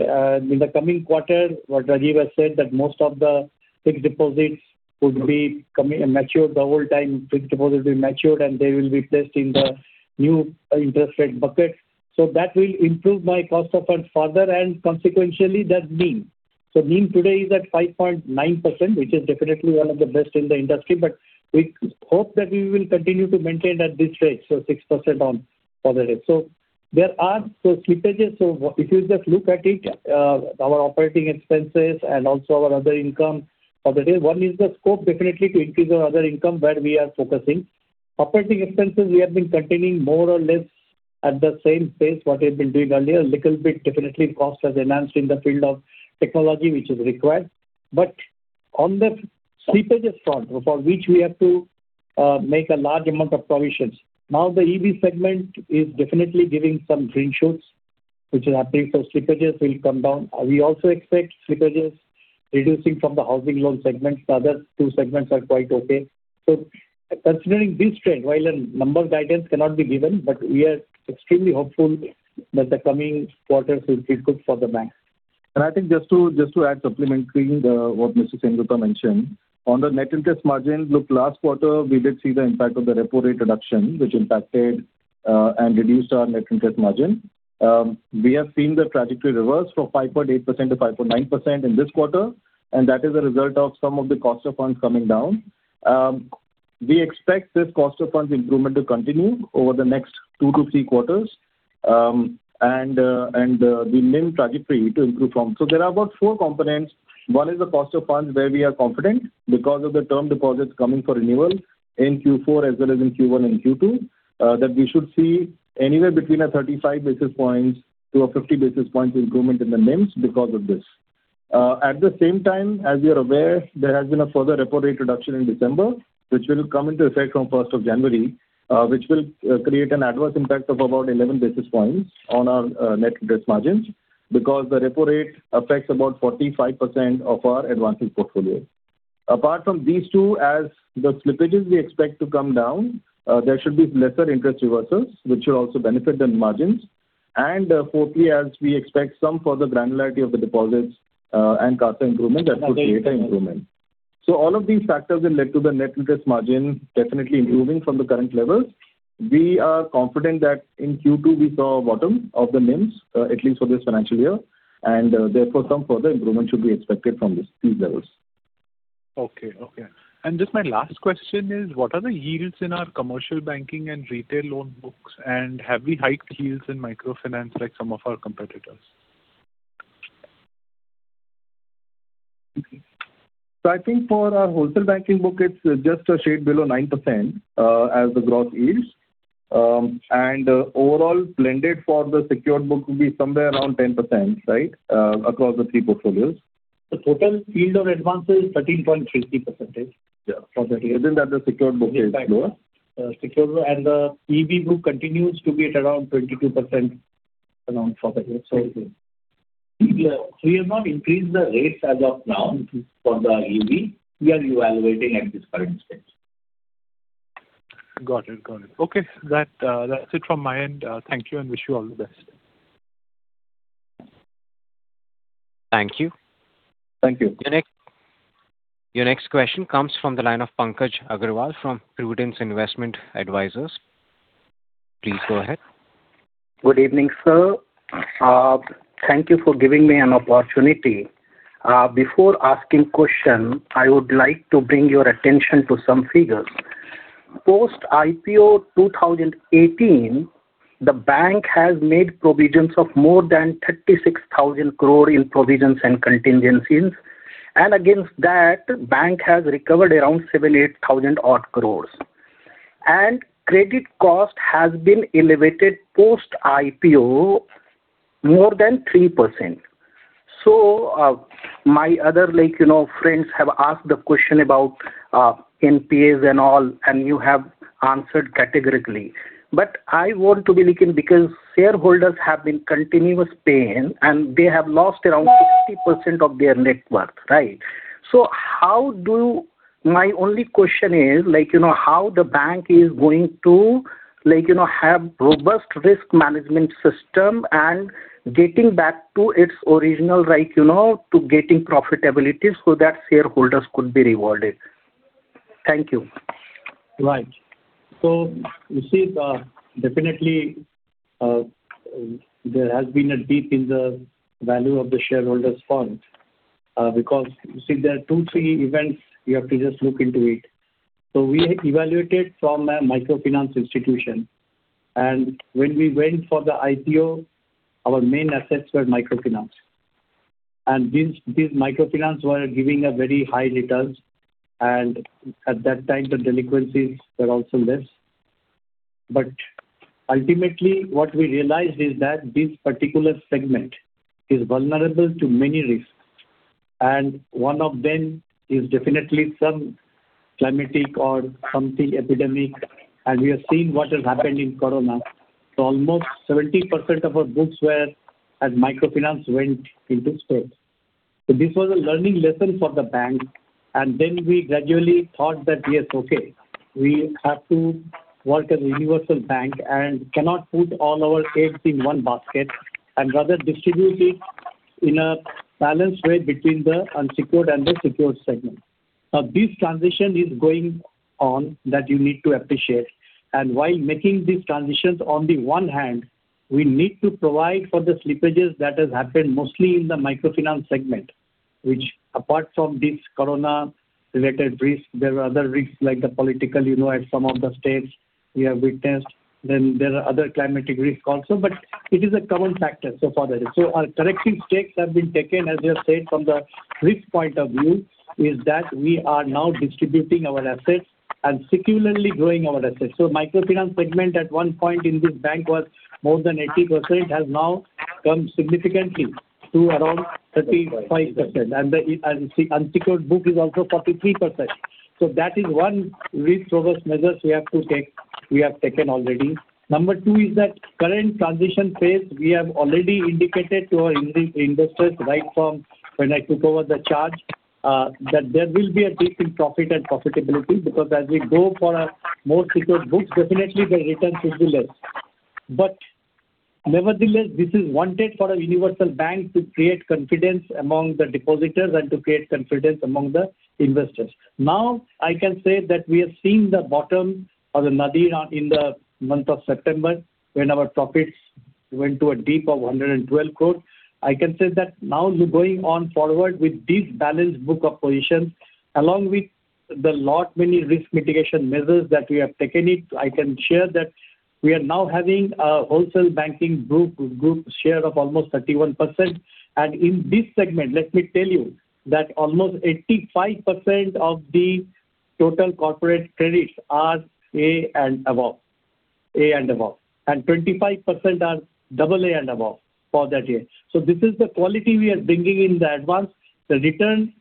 the coming quarter, what Rajeev has said that most of the fixed deposits would be matured the whole time, fixed deposit will be matured, and they will be placed in the new interest rate bucket. So that will improve my cost of funds further, and consequently, that means. So NIM today is at 5.9%, which is definitely one of the best in the industry, but we hope that we will continue to maintain at this rate, so 6% on for the rate. So there are some slippages. So if you just look at it, our operating expenses and also our other income for the day. One is the scope, definitely, to increase our other income where we are focusing. Operating expenses, we have been continuing more or less at the same pace what we have been doing earlier. A little bit, definitely, costs have increased in the field of technology, which is required. But on the slippages front, for which we have to make a large amount of provisions, now the EB segment is definitely giving some green shoots, which is happening. So slippages will come down. We also expect slippages reducing from the housing loan segments. The other two segments are quite okay. So considering this trend, while numerical guidance cannot be given, but we are extremely hopeful that the coming quarters will be good for the bank, and I think just to add, supplementing what Mr. Sengupta mentioned, on the net interest margin, look, last quarter, we did see the impact of the repo rate reduction, which impacted and reduced our net interest margin. We have seen the trajectory reverse from 5.8% to 5.9% in this quarter, and that is a result of some of the cost of funds coming down. We expect this cost of funds improvement to continue over the next two to three quarters, and we [see the] NIM trajectory to improve from. So there are about four components. One is the cost of funds where we are confident because of the term deposits coming for renewal in Q4 as well as in Q1 and Q2 that we should see anywhere between 35 basis points to 50 basis points improvement in the NIMs because of this. At the same time, as you're aware, there has been a further repo rate reduction in December, which will come into effect from 1st of January, which will create an adverse impact of about 11 basis points on our net interest margins because the repo rate affects about 45% of our advances portfolio. Apart from these two, as the slippages we expect to come down, there should be lesser interest reversals, which should also benefit the margins. And fourthly, as we expect some further granularity of the deposits and CASA improvement, that would create an improvement. So all of these factors have led to the net interest margin definitely improving from the current levels. We are confident that in Q2, we saw a bottom of the NIMs, at least for this financial year, and therefore some further improvement should be expected from these levels. Okay. Okay. Just my last question is, what are the yields in our commercial banking and retail loan books, and have we hiked yields in microfinance like some of our competitors? I think for our wholesale banking book, it's just a shade below 9% as the gross yields. Overall, blended for the secured book would be somewhere around 10%, right, across the three portfolios. The total yield on advance is 13.50% for the year. Within that, the secured book is lower. Secured and the EB book continues to be at around 22% for the year. We have not increased the rates as of now for the EB. We are evaluating at this current stage. Got it. Got it. Okay. That's it from my end. Thank you and wish you all the best. Thank you. Thank you. Your next question comes from the line of Pankaj Agarwal from Prudence Investment Advisors. Please go ahead. Good evening, sir. Thank you for giving me an opportunity. Before asking questions, I would like to bring your attention to some figures. Post IPO 2018, the bank has made provisions of more than 36,000 crore in provisions and contingencies. And against that, the bank has recovered around 7,000 or 8,000 crore. And credit cost has been elevated post IPO more than 3%. So my other friends have asked the question about NPAs and all, and you have answered categorically. But I want to be looking because shareholders have been continuous pain, and they have lost around 60% of their net worth, right? So, my only question is how the bank is going to have a robust risk management system and getting back to its original right to getting profitability so that shareholders could be rewarded. Thank you. Right. So you see, definitely, there has been a dip in the value of the shareholders' fund because you see, there are two, three events you have to just look into it. So we evolved from a microfinance institution. And when we went for the IPO, our main assets were microfinance. And these microfinance were giving a very high return. And at that time, the delinquencies were also less. But ultimately, what we realized is that this particular segment is vulnerable to many risks. And one of them is definitely some climatic or something epidemic. And we have seen what has happened in Corona. So almost 70% of our books were as microfinance went into space. So this was a learning lesson for the bank. And then we gradually thought that, yes, okay, we have to work as a universal bank and cannot put all our eggs in one basket and rather distribute it in a balanced way between the unsecured and the secured segment. Now, this transition is going on that you need to appreciate. And while making these transitions, on the one hand, we need to provide for the slippages that have happened mostly in the microfinance segment, which apart from this Corona-related risk, there are other risks like the political at some of the states we have witnessed. Then there are other climatic risks also, but it is a common factor so far. So our corrective steps have been taken, as you have said. From the risk point of view, is that we are now diversifying our assets and secularly growing our assets. So microfinance segment at one point in this bank was more than 80%, has now come significantly to around 35%. And the unsecured book is also 43%. So that is one risk-averse measure we have to take we have taken already. Number two is that current transition phase, we have already indicated to our investors, right from when I took over the charge, that there will be a dip in profit and profitability because as we go for a more secured book, definitely the returns should be less. But nevertheless, this is wanted for a universal bank to create confidence among the depositors and to create confidence among the investors. Now, I can say that we have seen the bottom of the nadir in the month of September when our profits went to a dip of 112 crore. I can say that now going on forward with this balanced book of positions, along with the lot many risk mitigation measures that we have taken, I can share that we are now having a wholesale banking group share of almost 31%. In this segment, let me tell you that almost 85% of the total corporate credits are A and above, A and above. And 25% are AA and above for that year. So this is the quality we are bringing in the advance. The return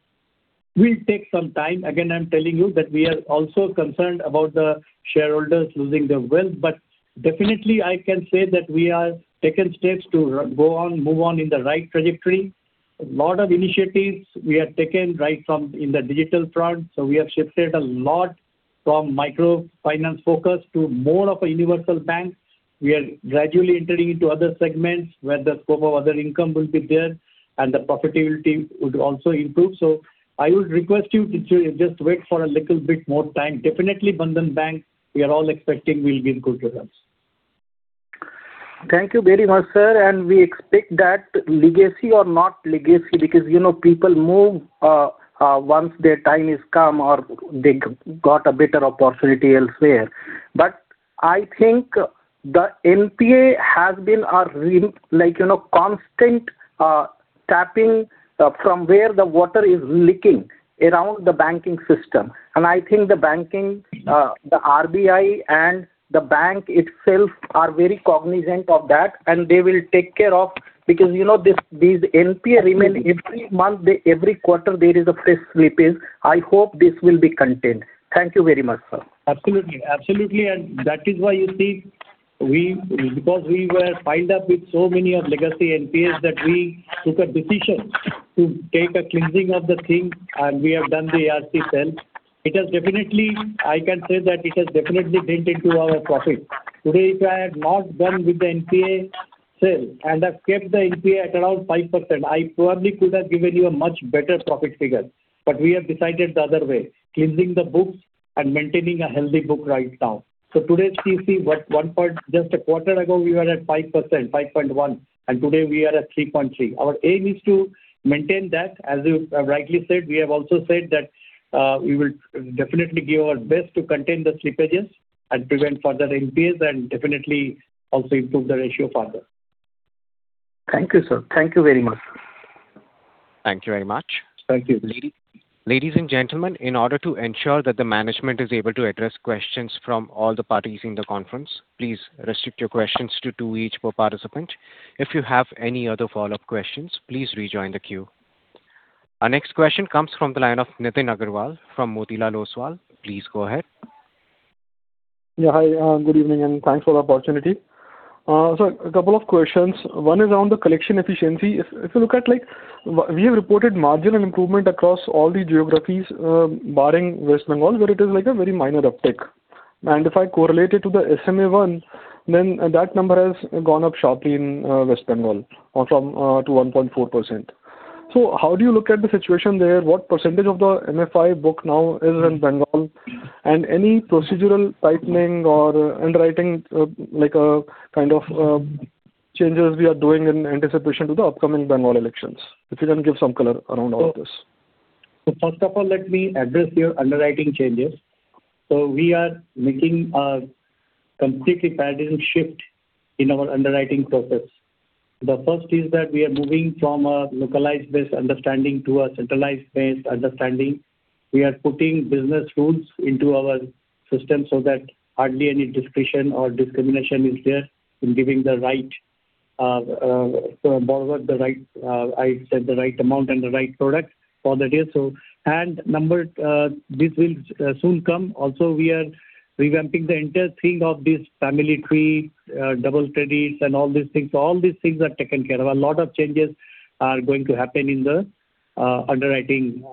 will take some time. Again, I'm telling you that we are also concerned about the shareholders losing their wealth. But definitely, I can say that we have taken steps to go on, move on in the right trajectory. A lot of initiatives we have taken right from in the digital front. So we have shifted a lot from microfinance focus to more of a universal bank. We are gradually entering into other segments where the scope of other income will be there and the profitability would also improve. So I would request you to just wait for a little bit more time. Definitely, Bandhan Bank, we are all expecting will give good returns. Thank you very much, sir. And we expect that legacy or not legacy because people move once their time is come or they got a better opportunity elsewhere. But I think the NPA has been a constant tapping from where the water is leaking around the banking system. And I think the banking, the RBI, and the bank itself are very cognizant of that, and they will take care of because these NPA remain every month, every quarter, there is a fresh slippage. I hope this will be contained. Thank you very much, sir. Absolutely. Absolutely. And that is why you see, because we were piled up with so many of legacy NPAs that we took a decision to take a cleansing of the thing, and we have done the ARC sale. It has definitely, I can say that it has definitely dented into our profit. Today, if I had not done with the NPA sale and have kept the NPA at around 5%, I probably could have given you a much better profit figure. But we have decided the other way, cleansing the books and maintaining a healthy book right now. So today, you see, just a quarter ago, we were at 5%, 5.1%, and today we are at 3.3%. Our aim is to maintain that. As you rightly said, we have also said that we will definitely give our best to contain the slippages and prevent further NPAs and definitely also improve the ratio further. Thank you, sir. Thank you very much. Thank you very much. Thank you. Ladies and gentlemen, in order to ensure that the management is able to address questions from all the parties in the conference, please restrict your questions to two each per participant. If you have any other follow-up questions, please rejoin the queue. Our next question comes from the line of Nitin Aggarwal from Motilal Oswal. Please go ahead. Yeah. Hi. Good evening and thanks for the opportunity. So a couple of questions. One is around the collection efficiency. If you look at, we have reported marginal improvement across all the geographies barring West Bengal, where it is a very minor uptick. And if I correlate it to the SMA1, then that number has gone up sharply in West Bengal from to 1.4%. So how do you look at the situation there? What percentage of the MFI book now is in Bengal? And any procedural tightening or underwriting kind of changes we are doing in anticipation of the upcoming Bengal elections? If you can give some color around all of this. So first of all, let me address your underwriting changes. So we are making a completely paradigm shift in our underwriting process. The first is that we are moving from a localized-based understanding to a centralized-based understanding. We are putting business rules into our system so that hardly any discretion or discrimination is there in giving the right borrower the right, I said, the right amount and the right product for the day. So. And number, this will soon come. Also, we are revamping the entire thing of this family tree, double credits, and all these things. So all these things are taken care of. A lot of changes are going to happen in the underwriting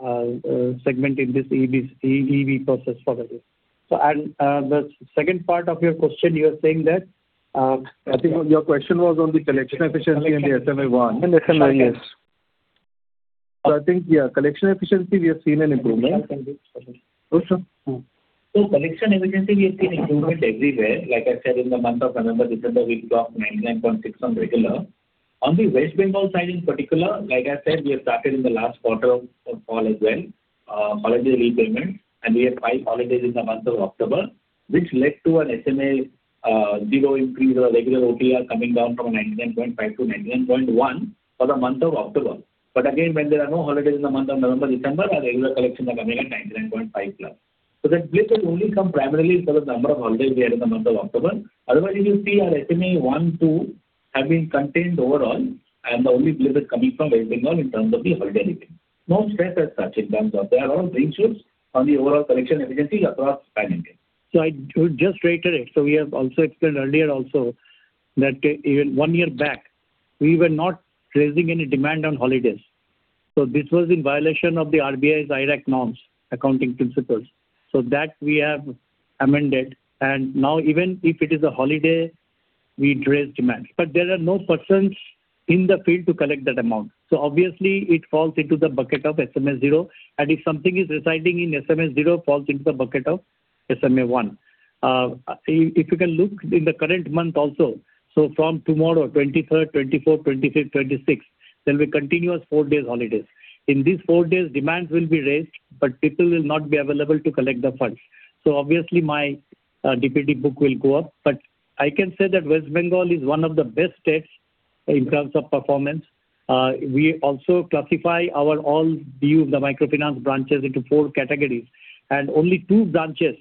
segment in this EB process for the day. And the second part of your question, you were saying that I think your question was on the collection efficiency and the SMA1. And SMA1, yes. So I think, yeah, collection efficiency, we have seen an improvement. Oh, sure. So collection efficiency, we have seen improvement everywhere. Like I said, in the month of November, December, we've dropped 99.6% on regular. On the West Bengal side in particular, like I said, we have started in the last quarter of fall as well, holiday repayments. And we had five holidays in the month of October, which led to an SMA zero increase or a regular OTR coming down from 99.5% to 99.1% for the month of October. But again, when there are no holidays in the month of November, December, our regular collections are coming at 99.5% plus. So that blip has only come primarily for the number of holidays we had in the month of October. Otherwise, if you see, our SMA1, 2 have been contained overall, and the only blip is coming from West Bengal in terms of the holiday repayment. No stress as such in terms of there are a lot of green shoots on the overall collection efficiencies across Pan India. So I would just reiterate. We have also explained earlier that even one year back, we were not raising any demand on holidays. This was in violation of the RBI's IRAC norms, accounting principles. We have amended that. Now, even if it is a holiday, we raise demands. But there are no persons in the field to collect that amount. So obviously, it falls into the bucket of SMA0. And if something is residing in SMA0, it falls into the bucket of SMA1. I f you can look in the current month also, from tomorrow, 23rd, 24th, 25th, 26th, there will be continuous four-day holidays. In these four days, demands will be raised, but people will not be available to collect the funds. So obviously, my DPD book will go up. But I can say that West Bengal is one of the best states in terms of performance. We also classify our overall view of the microfinance branches into four categories. Only two branches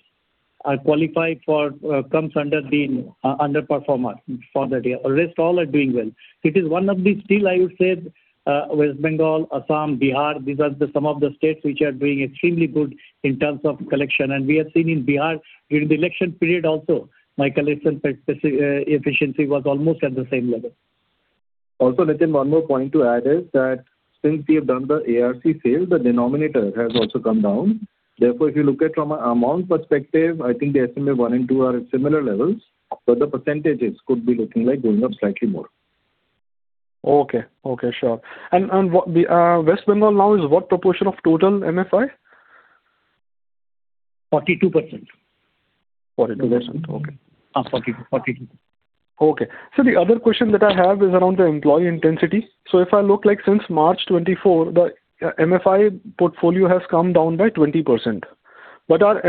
qualify for comes under the underperformer for that year. The rest all are doing well. It is one of the still, I would say, West Bengal, Assam, Bihar, these are some of the states which are doing extremely good in terms of collection. We have seen in Bihar during the election period also, my collection efficiency was almost at the same level. Also, Nitin, one more point to add is that since we have done the ARC sale, the denominator has also come down. Therefore, if you look at from an amount perspective, I think the SMA1 and 2 are at similar levels, but the percentages could be looking like going up slightly more. Okay. Okay. Sure. West Bengal now is what proportion of total MFI? 42%. 42%. Okay. 42. Okay. So the other question that I have is around the employee intensity. So if I look like since March 2024, the MFI portfolio has come down by 20%. But our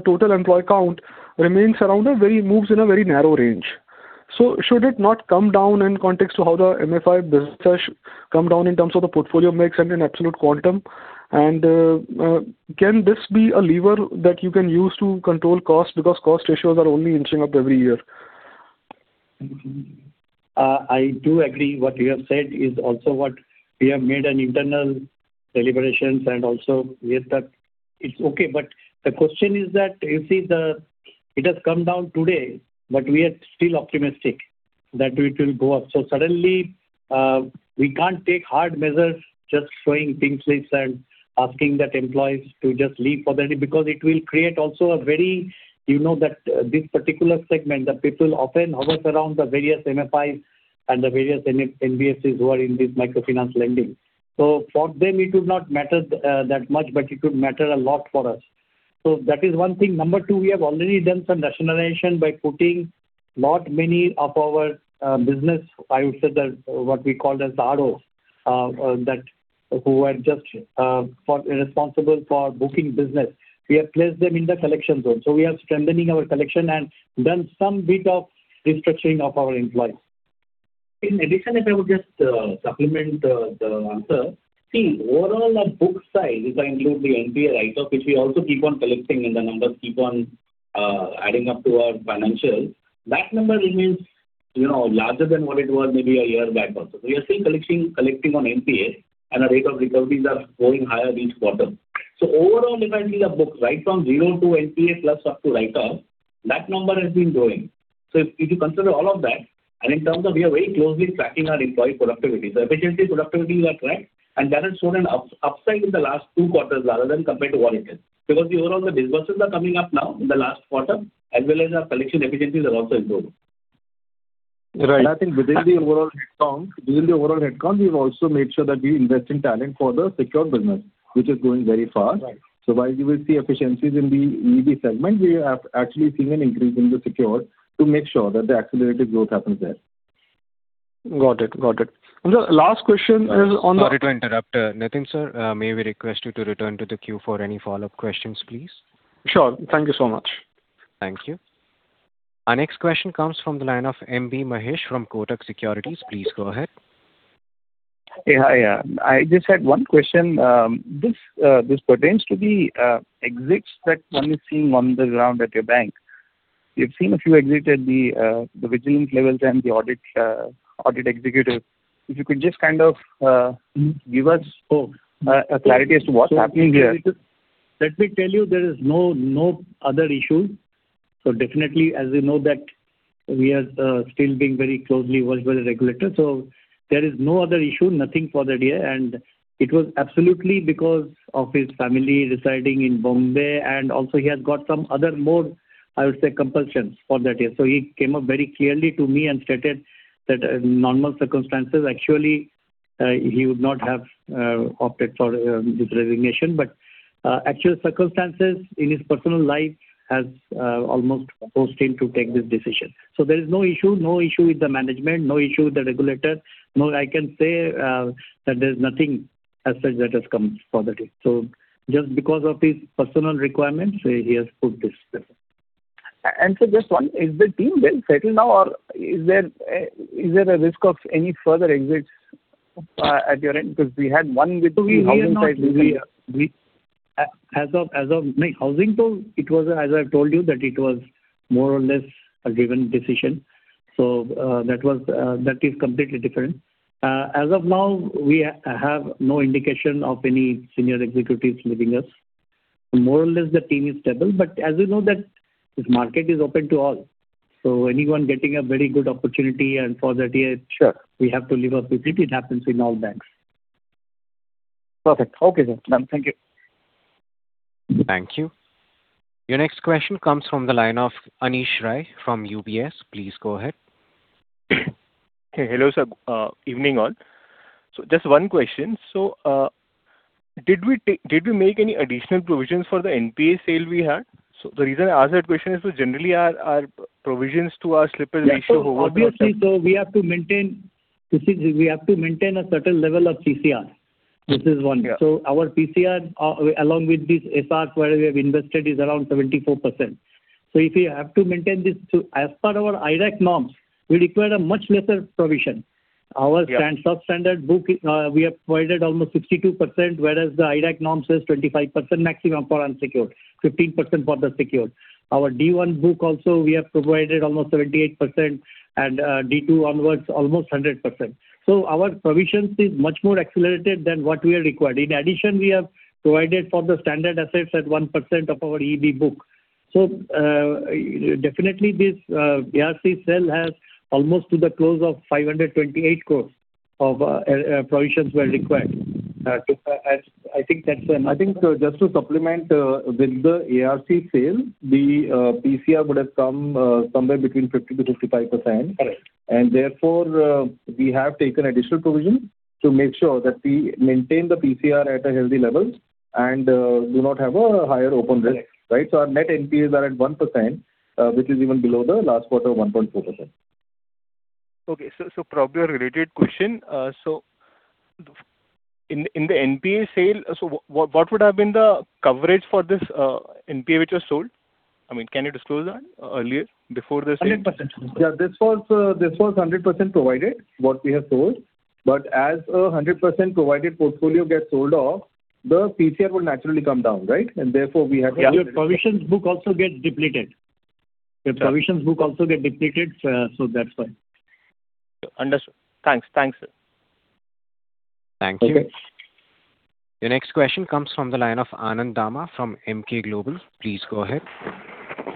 total employee count remains around. It moves in a very narrow range. So should it not come down in context to how the MFI business has come down in terms of the portfolio mix and in absolute quantum? And can this be a lever that you can use to control costs because cost ratios are only inching up every year? I do agree what you have said is also what we have made an internal deliberations and also with the. It's okay. But the question is that you see the it has come down today, but we are still optimistic that it will go up. So suddenly, we can't take hard measures just showing pink slips and asking that employees to just leave for the day because it will create also a very you know that this particular segment, the people often hover around the various MFIs and the various NBSs who are in this microfinance lending. So for them, it would not matter that much, but it would matter a lot for us. So that is one thing. Number two, we have already done some rationalization by putting not many of our business, I would say that what we called as ROs, that who are just responsible for booking business. We have placed them in the collection zone. So we are strengthening our collection and done some bit of restructuring of our employees. In addition, if I would just supplement the answer, see, overall our book size, if I include the NPA write-off, which we also keep on collecting and the numbers keep on adding up to our financials, that number remains larger than what it was maybe a year back also. So we are still collecting on NPA, and our rate of recoveries are going higher each quarter. So overall, if I see the book right from zero to NPA plus up to write-off, that number has been growing. So if you consider all of that, and in terms of we are very closely tracking our employee productivity. So efficiency, productivity are tracked, and that has shown an upside in the last two quarters rather than compared to what it is. Because the overall the businesses are coming up now in the last quarter, as well as our collection efficiencies are also improving. Right. And I think within the overall headcount, we've also made sure that we invest in talent for the secure business, which is going very fast. So while you will see efficiencies in the EV segment, we have actually seen an increase in the secure to make sure that the accelerated growth happens there. Got it. Got it. The last question is on the. Sorry to interrupt, Nitin sir. May we request you to return to the queue for any follow-up questions, please? Sure. Thank you so much. Thank you. Our next question comes from the line of M.B. Mahesh from Kotak Securities. Please go ahead. Yeah. Yeah. I just had one question. This pertains to the exits that one is seeing on the ground at your bank. You've seen a few exits at the vigilance levels and the audit executive. If you could just kind of give us a clarity as to what's happening here. Let me tell you, there is no other issue, so definitely, as you know, that we are still being very closely watched by the regulator, so there is no other issue, nothing for that year, and it was absolutely because of his family residing in Bombay, and also he has got some other more, I would say, compulsions for that year, so he came up very clearly to me and stated that in normal circumstances, actually, he would not have opted for this resignation, but actual circumstances in his personal life have almost forced him to take this decision. So there is no issue, no issue with the management, no issue with the regulator. No, I can say that there is nothing as such that has come for that year. So just because of his personal requirements, he has put this person. And for this one, is the team well settled now, or is there a risk of any further exits at your end? Because we had one with housing side recently. As of now, Housing Head, it was, as I've told you, that it was more or less a given decision. So that is completely different. As of now, we have no indication of any senior executives leaving us. More or less, the team is stable. But as you know, this market is open to all. So anyone getting a very good opportunity and for that year, we have to live up with it. It happens in all banks. Perfect. Okay, sir. Thank you. Thank you. Your next question comes from the line of Anish Rai from UBS. Please go ahead. Okay. Hello, sir. Evening all. So just one question. So did we make any additional provisions for the NPA sale we had? So the reason I ask that question is because generally, our provisions to our slippage ratio over the years. Obviously, so we have to maintain a certain level of PCR. This is one. So our PCR, along with this SR where we have invested, is around 74%. So if we have to maintain this, as per our IRAC norms, we require a much lesser provision. Our sub-standard book, we have provided almost 62%, whereas the IRAC norm says 25% maximum for unsecured, 15% for the secured. Our D1 book also, we have provided almost 78%, and D2 onwards, almost 100%. So our provisions are much more accelerated than what we are required. In addition, we have provided for the standard assets at 1% of our EB book. So definitely, this ARC sale has almost to the close of 528 crores of provisions were required. And I think that's just to supplement with the ARC sale, the PCR would have come somewhere between 50% to 55%. And therefore, we have taken additional provisions to make sure that we maintain the PCR at a healthy level and do not have a higher open risk. Right? So our net NPAs are at 1%, which is even below the last quarter of 1.4%. Okay. So probably a related question. So in the NPA sale, so what would have been the coverage for this NPA which was sold? I mean, can you disclose that earlier before the sale? 100%. Yeah. This was 100% provided, what we have sold. But as a 100% provided portfolio gets sold off, the PCR will naturally come down, right? And therefore, we have to. Yeah. Your provisions book also gets depleted. So that's why. Understood. Thanks. Thank you. Okay. Your next question comes from the line of Anand Dama from Emkay Global Financial Services. Please go ahead.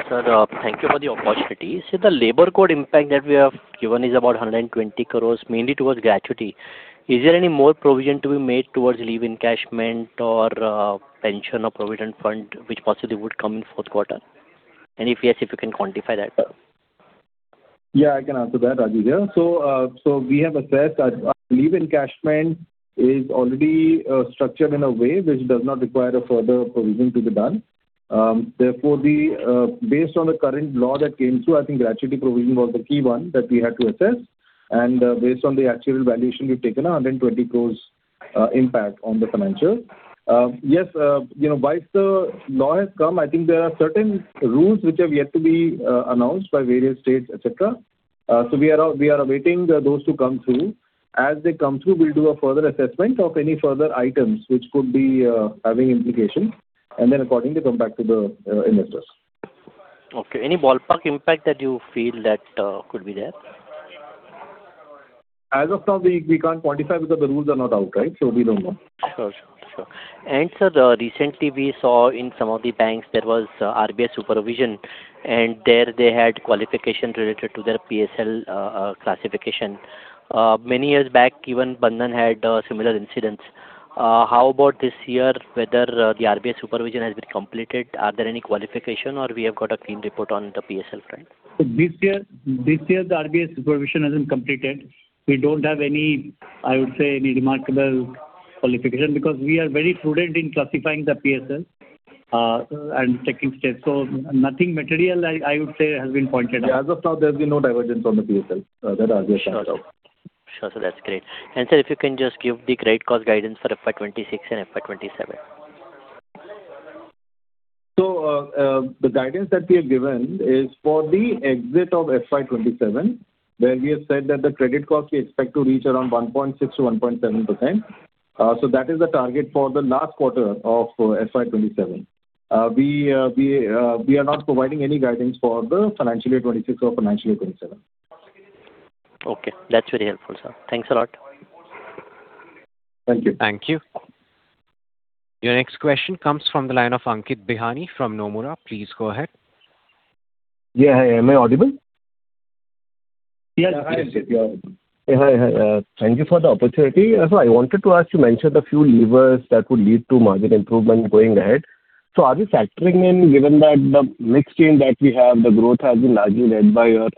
Sir, thank you for the opportunity. See, the labor code impact that we have given is about 120 crores, mainly towards gratuity. Is there any more provision to be made towards leave encashment or pension or provident fund, which possibly would come in Q4? And if yes, if you can quantify that. Yeah. I can answer that, Rajeev. Yeah. We have assessed that leave encashment is already structured in a way which does not require a further provision to be done. Therefore, based on the current law that came through, I think gratuity provision was the key one that we had to assess. And based on the actual valuation, we've taken an 120 crores impact on the financials. Yes. Whilst the law has come, I think there are certain rules which have yet to be announced by various states, etc. So we are awaiting those to come through. As they come through, we'll do a further assessment of any further items which could be having implications. And then, accordingly, come back to the investors. Okay. Any ballpark impact that you feel that could be there? As of now, we can't quantify because the rules are not out, right? So we don't know. Sure. Sure. Sir, recently, we saw in some of the banks, there was RBI supervision, and there they had qualification related to their PSL classification. Many years back, even Bandhan had similar incidents. How about this year, whether the RBI supervision has been completed? Are there any qualification, or we have got a clean report on the PSL front? This year, the RBI supervision hasn't completed. We don't have any, I would say, any remarkable qualification because we are very prudent in classifying the PSL and taking steps. So nothing material, I would say, has been pointed out. Yeah. As of now, there has been no divergence on the PSL. That I'll just add up. Sure. Sure. Sure. That's great. Sir, if you can just give the credit cost guidance for FY 2026 and FY 2027. The guidance that we have given is for the exit of FY 2027, where we have said that the credit cost we expect to reach around 1.6% to 1.7%. That is the target for the last quarter of FY 2027. We are not providing any guidance for the financial year 2026 or financial year 2027. Okay. That's very helpful, sir. Thanks a lot. Thank you. Thank you. Your next question comes from the line of Ankit Bihani from Nomura. Please go ahead. Yeah. Am I audible? Yes. Yes. Yes. You're audible. Yeah. Thank you for the opportunity. So I wanted to ask you to mention a few levers that would lead to margin improvement going ahead. So are we factoring in, given that the mix change that we have, the growth has been largely led by your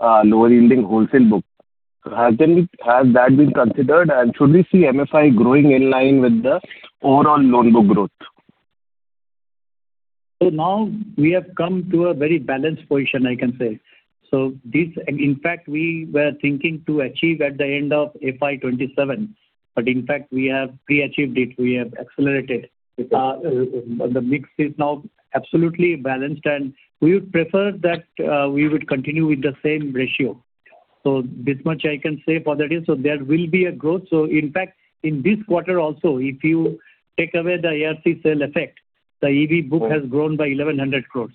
lower-yielding wholesale book? Has that been considered, and should we see MFI growing in line with the overall loan book growth? So now, we have come to a very balanced position, I can say. So in fact, we were thinking to achieve at the end of FY 2027, but in fact, we have pre-achieved it. We have accelerated. The mix is now absolutely balanced, and we would prefer that we would continue with the same ratio. So this much I can say for that year. So there will be a growth. So in fact, in this quarter also, if you take away the ARC sale effect, the EB book has grown by 1,100 crores.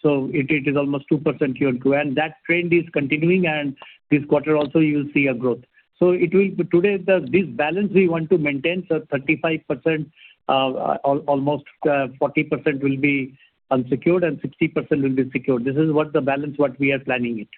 So it is almost 2% year to year. And that trend is continuing, and this quarter also, you'll see a growth. Today, this balance we want to maintain, so 35%, almost 40% will be unsecured, and 60% will be secured. This is what the balance we are planning it.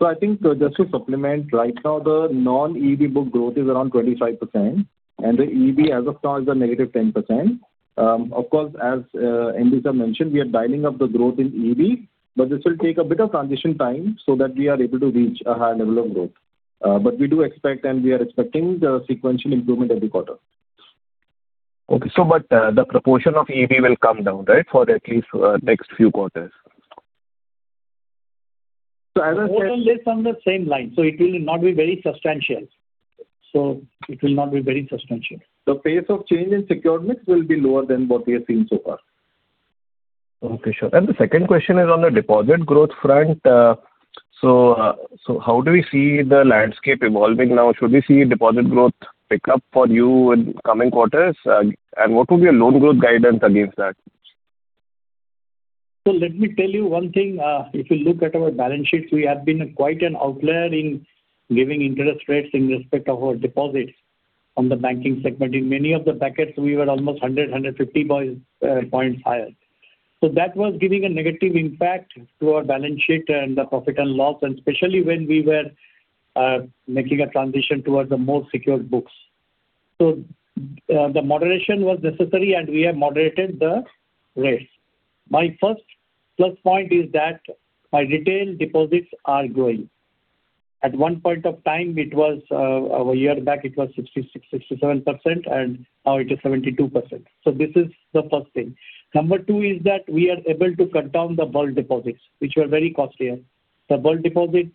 I think just to supplement, right now, the non-EV book growth is around 25%? and the EV as of now is a negative 10%? Of course, as Anish sir mentioned, we are dialing up the growth in EV, but this will take a bit of transition time so that we are able to reach a higher level of growth. We do expect, and we are expecting sequential improvement every quarter. Okay. But the proportion of EV will come down, right, for at least next few quarters? As I said, more or less on the same line. It will not be very substantial. The pace of change in secured mix will be lower than what we have seen so far. Okay. Sure. And the second question is on the deposit growth front. So how do we see the landscape evolving now? Should we see deposit growth pick up for you in coming quarters? And what will be your loan growth guidance against that? So let me tell you one thing. If you look at our balance sheets, we have been quite an outlier in giving interest rates in respect of our deposits on the banking segment. In many of the brackets, we were almost 100, 150 points higher. So that was giving a negative impact to our balance sheet and the profit and loss, and especially when we were making a transition towards the more secured books. So the moderation was necessary, and we have moderated the rates. My first plus point is that my retail deposits are growing. At one point of time, it was a year back, it was 66-67%, and now it is 72%. So this is the first thing. Number two is that we are able to cut down the bulk deposits, which were very costly. The bulk deposits,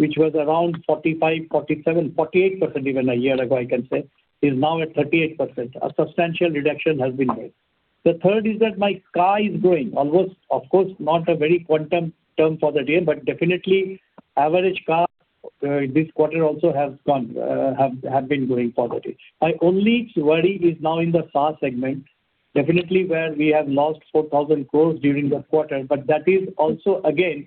which was around 45-48% even a year ago, I can say, is now at 38%. A substantial reduction has been made. The third is that my CA is growing. Of course, not a very quantum term for that year, but definitely, average CA this quarter also has been growing for that year. My only worry is now in the MSME segment, definitely where we have lost 4,000 crores during the quarter. But that is also, again,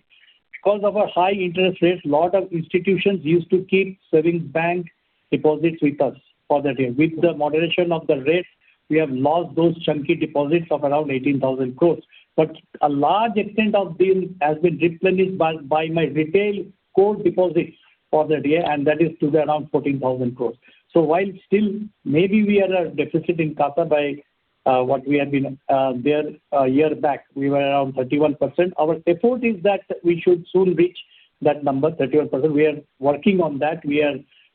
because of our high interest rates, a lot of institutions used to keep savings bank deposits with us for that year. With the moderation of the rates, we have lost those chunky deposits of around 18,000 crores. But a large extent of them has been replenished by my retail core deposits for that year, and that is today around 14,000 crores. So while still, maybe we are at a deficit in CASA by what we had been there a year back. We were around 31%. Our effort is that we should soon reach that number, 31%. We are working on that.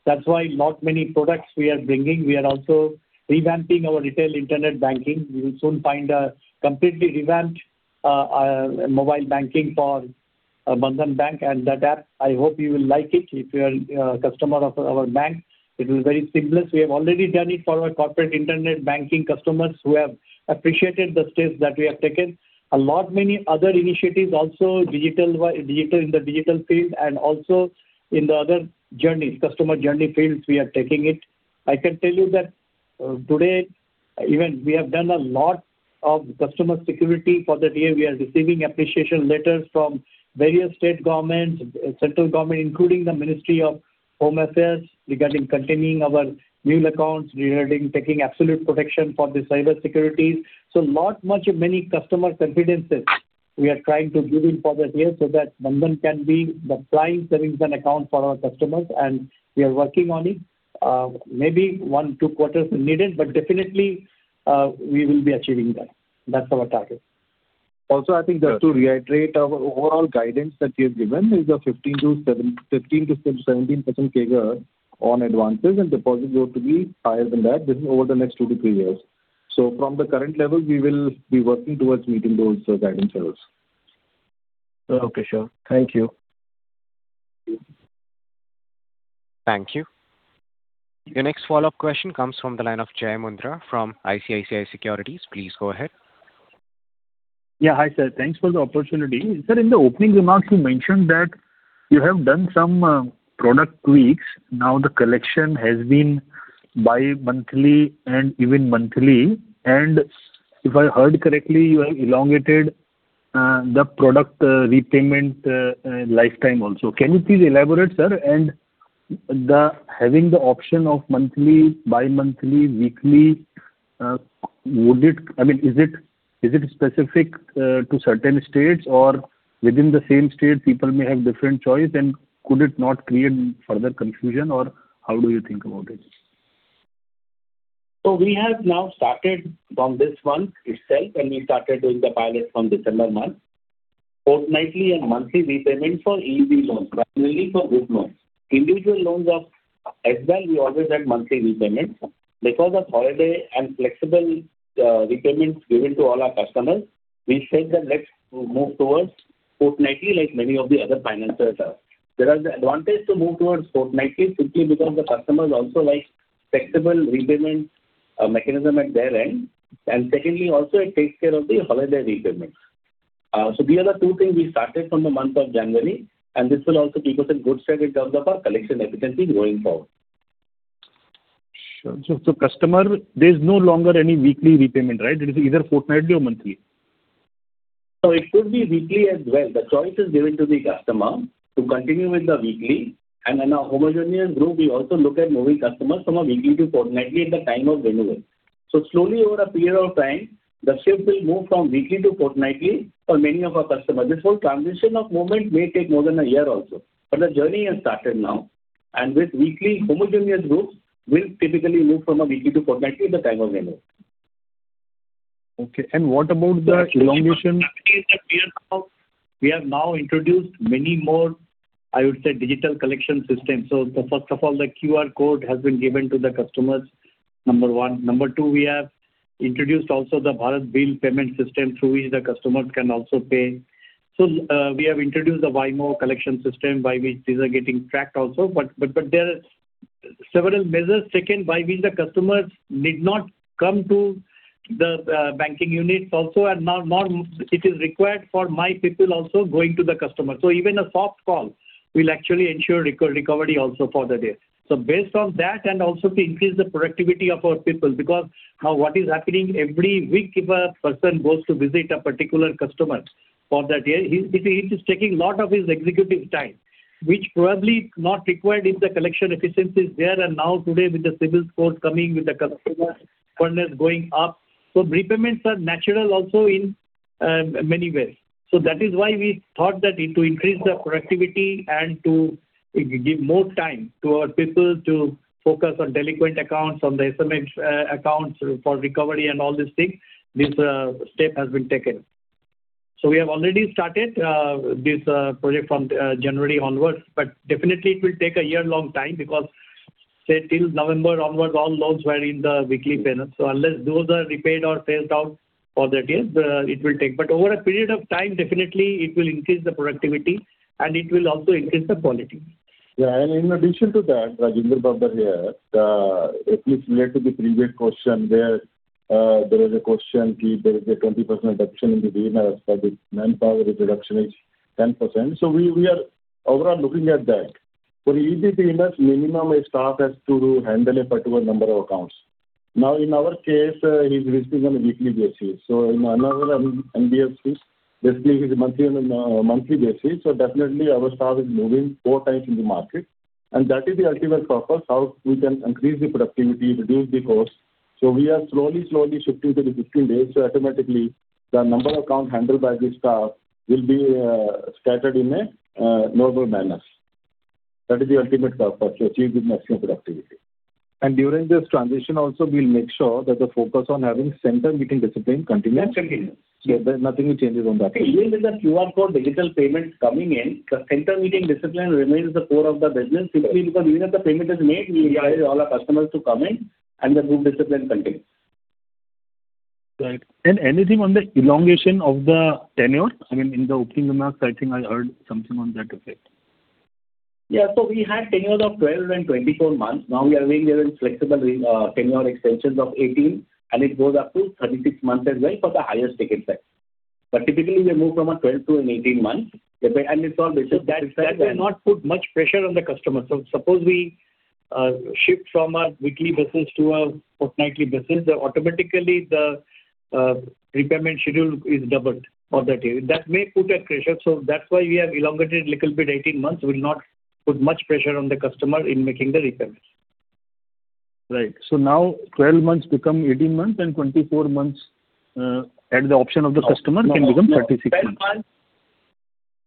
That's why not many products we are bringing. We are also revamping our retail internet banking. You will soon find a completely revamped mobile banking for Bandhan Bank and that app. I hope you will like it. If you are a customer of our bank, it will be very seamless. We have already done it for our corporate internet banking customers who have appreciated the steps that we have taken. A lot many other initiatives also in the digital field and also in the other journey, customer journey fields we are taking it. I can tell you that today, even we have done a lot of customer security for that year. We are receiving appreciation letters from various state governments, central government, including the Ministry of Home Affairs regarding continuing our new accounts, regarding taking absolute protection for the cyber security. So a lot much of many customer confidences we are trying to give in for that year so that Bandhan can be the prime savings bank account for our customers, and we are working on it. Maybe one, two quarters needed, but definitely, we will be achieving that. That's our target. Also, I think just to reiterate, our overall guidance that we have given is 15%-17% CAGR on advances, and deposits growth to be higher than that over the next two to three years. So from the current level, we will be working towards meeting those guidance levels. Okay. Sure. Thank you. Thank you. Your next follow-up question comes from the line of Jai Mundhra from ICICI Securities. Please go ahead. Yeah. Hi, sir. Thanks for the opportunity. Sir, in the opening remarks, you mentioned that you have done some product tweaks. Now, the collection has been bi-monthly and even monthly. And if I heard correctly, you have elongated the product repayment lifetime also. Can you please elaborate, sir? Having the option of monthly, bi-monthly, weekly, would it I mean, is it specific to certain states, or within the same state, people may have different choice? And could it not create further confusion, or how do you think about it? So we have now started from this month itself, and we started doing the pilot from December month. Fortnightly and monthly repayment for EV loans, primarily for group loans. Individual loans as well, we always had monthly repayments. Because of holiday and flexible repayments given to all our customers, we said that let's move towards fortnightly like many of the other financiers are. There is an advantage to move towards fortnightly simply because the customers also like flexible repayment mechanism at their end. And secondly, also, it takes care of the holiday repayments. So these are the two things we started from the month of January, and this will also keep us in good shape in terms of our collection efficiency going forward. Sure. So customer, there's no longer any weekly repayment, right? It is either fortnightly or monthly. So it could be weekly as well. The choice is given to the customer to continue with the weekly. And in our homogeneous group, we also look at moving customers from a weekly to fortnightly at the time of renewal. So slowly, over a period of time, the shift will move from weekly to fortnightly for many of our customers. This whole transition of movement may take more than a year also. But the journey has started now, and with weekly homogeneous groups, we'll typically move from a weekly to fortnightly at the time of renewal. Okay. And what about the elongation? We have now introduced many more, I would say, digital collection systems. First of all, the QR code has been given to the customers, number one. Number two, we have introduced also the Bharat Bill Payment System through which the customers can also pay. So we have introduced the Vymo collection system by which these are getting tracked also. But there are several measures taken by which the customers need not come to the banking units also, and now it is required for my people also going to the customers. So even a soft call will actually ensure recovery also for that year. Based on that, and also to increase the productivity of our people, because now what is happening every week, if a person goes to visit a particular customer for that year, it is taking a lot of his executive time, which probably not required if the collection efficiency is there. And now, today, with the CIBIL score coming, with the customer awareness going up, so repayments are natural also in many ways. That is why we thought that to increase the productivity and to give more time to our people to focus on delinquent accounts, on the SMA accounts for recovery and all these things, this step has been taken. We have already started this project from January onwards, but definitely, it will take a year-long time because till November onwards, all loans were in the weekly payments. So unless those are repaid or phased out for that year, it will take. But over a period of time, definitely, it will increase the productivity, and it will also increase the quality. Yeah. And in addition to that, Rajinder Babbar here, at least related to the previous question, there is a question key there is a 20% reduction in the borrowers as far as manpower reduction is 10%. So we are overall looking at that. For EV payments, minimum a staff has to handle a particular number of accounts. Now, in our case, he's visiting on a weekly basis. So in another NBFC, basically, he's monthly on a monthly basis. So definitely, our staff is moving four times in the market. And that is the ultimate purpose, how we can increase the productivity, reduce the cost. So we are slowly, slowly shifting to the 15 days. So automatically, the number of accounts handled by this staff will be scattered in a normal manner. That is the ultimate purpose, to achieve maximum productivity. And during this transition also, we'll make sure that the focus on having center meeting discipline continues. So nothing will change on that. Even with the QR code digital payments coming in, the center meeting discipline remains the core of the business simply because even if the payment is made, we encourage all our customers to come in, and the group discipline continues. Right. And anything on the elongation of the tenure? I mean, in the opening remarks, I think I heard something on that effect. Yeah. So we had tenure of 12 and 24 months. Now, we are going to have flexible tenure extensions of 18, and it goes up to 36 months as well for the highest ticket size. But typically, we move from a 12- to an 18-month. And it's all basically that. That will not put much pressure on the customer. So suppose we shift from our weekly business to our fortnightly business, then automatically, the repayment schedule is doubled for that year. That may put a pressure. So that's why we have elongated a little bit 18 months. We'll not put much pressure on the customer in making the repayments. Right. So now, 12 months become 18 months, and 24 months at the option of the customer can become 36 months.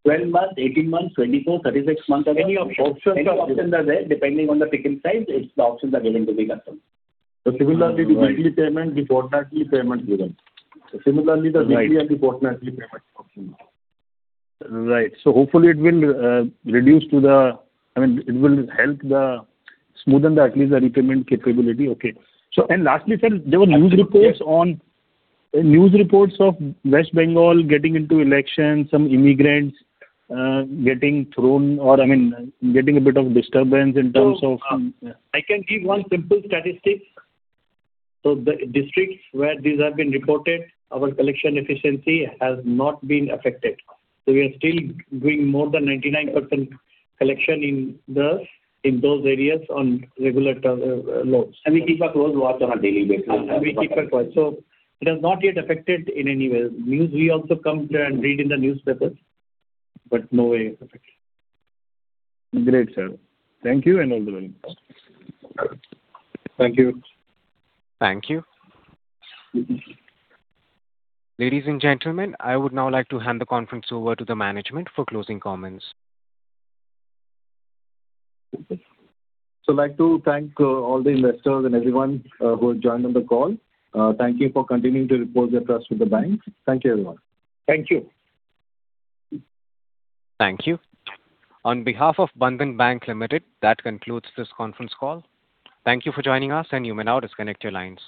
12 months, 12 months, 18 months, 24, 36 months. Any options are there. Depending on the ticket size, it's the options are given to the customer. So similarly, the weekly payment, the fortnightly payment given. Similarly, the weekly and the fortnightly payment option. Right. So hopefully, it will reduce to the – I mean, it will help smoothen the at least the repayment capability. Okay. And lastly, sir, there were news reports of West Bengal getting into elections, some immigrants getting thrown or, I mean, getting a bit of disturbance in terms of. I can give one simple statistic. So the districts where these have been reported, our collection efficiency has not been affected. So we are still doing more than 99% collection in those areas on regular loans. And we keep a close watch on a daily basis. So it has not yet affected in any way. News we also come and read in the newspapers, but no way affected. Great, sir. Thank you and all the best. Thank you. Thank you. Ladies and gentlemen, I would now like to hand the conference over to the management for closing comments, so I'd like to thank all the investors and everyone who has joined on the call. Thank you for continuing to repose your trust with the bank. Thank you, everyone. Thank you. Thank you. On behalf of Bandhan Bank Limited, that concludes this conference call. Thank you for joining us, and you may now disconnect your lines.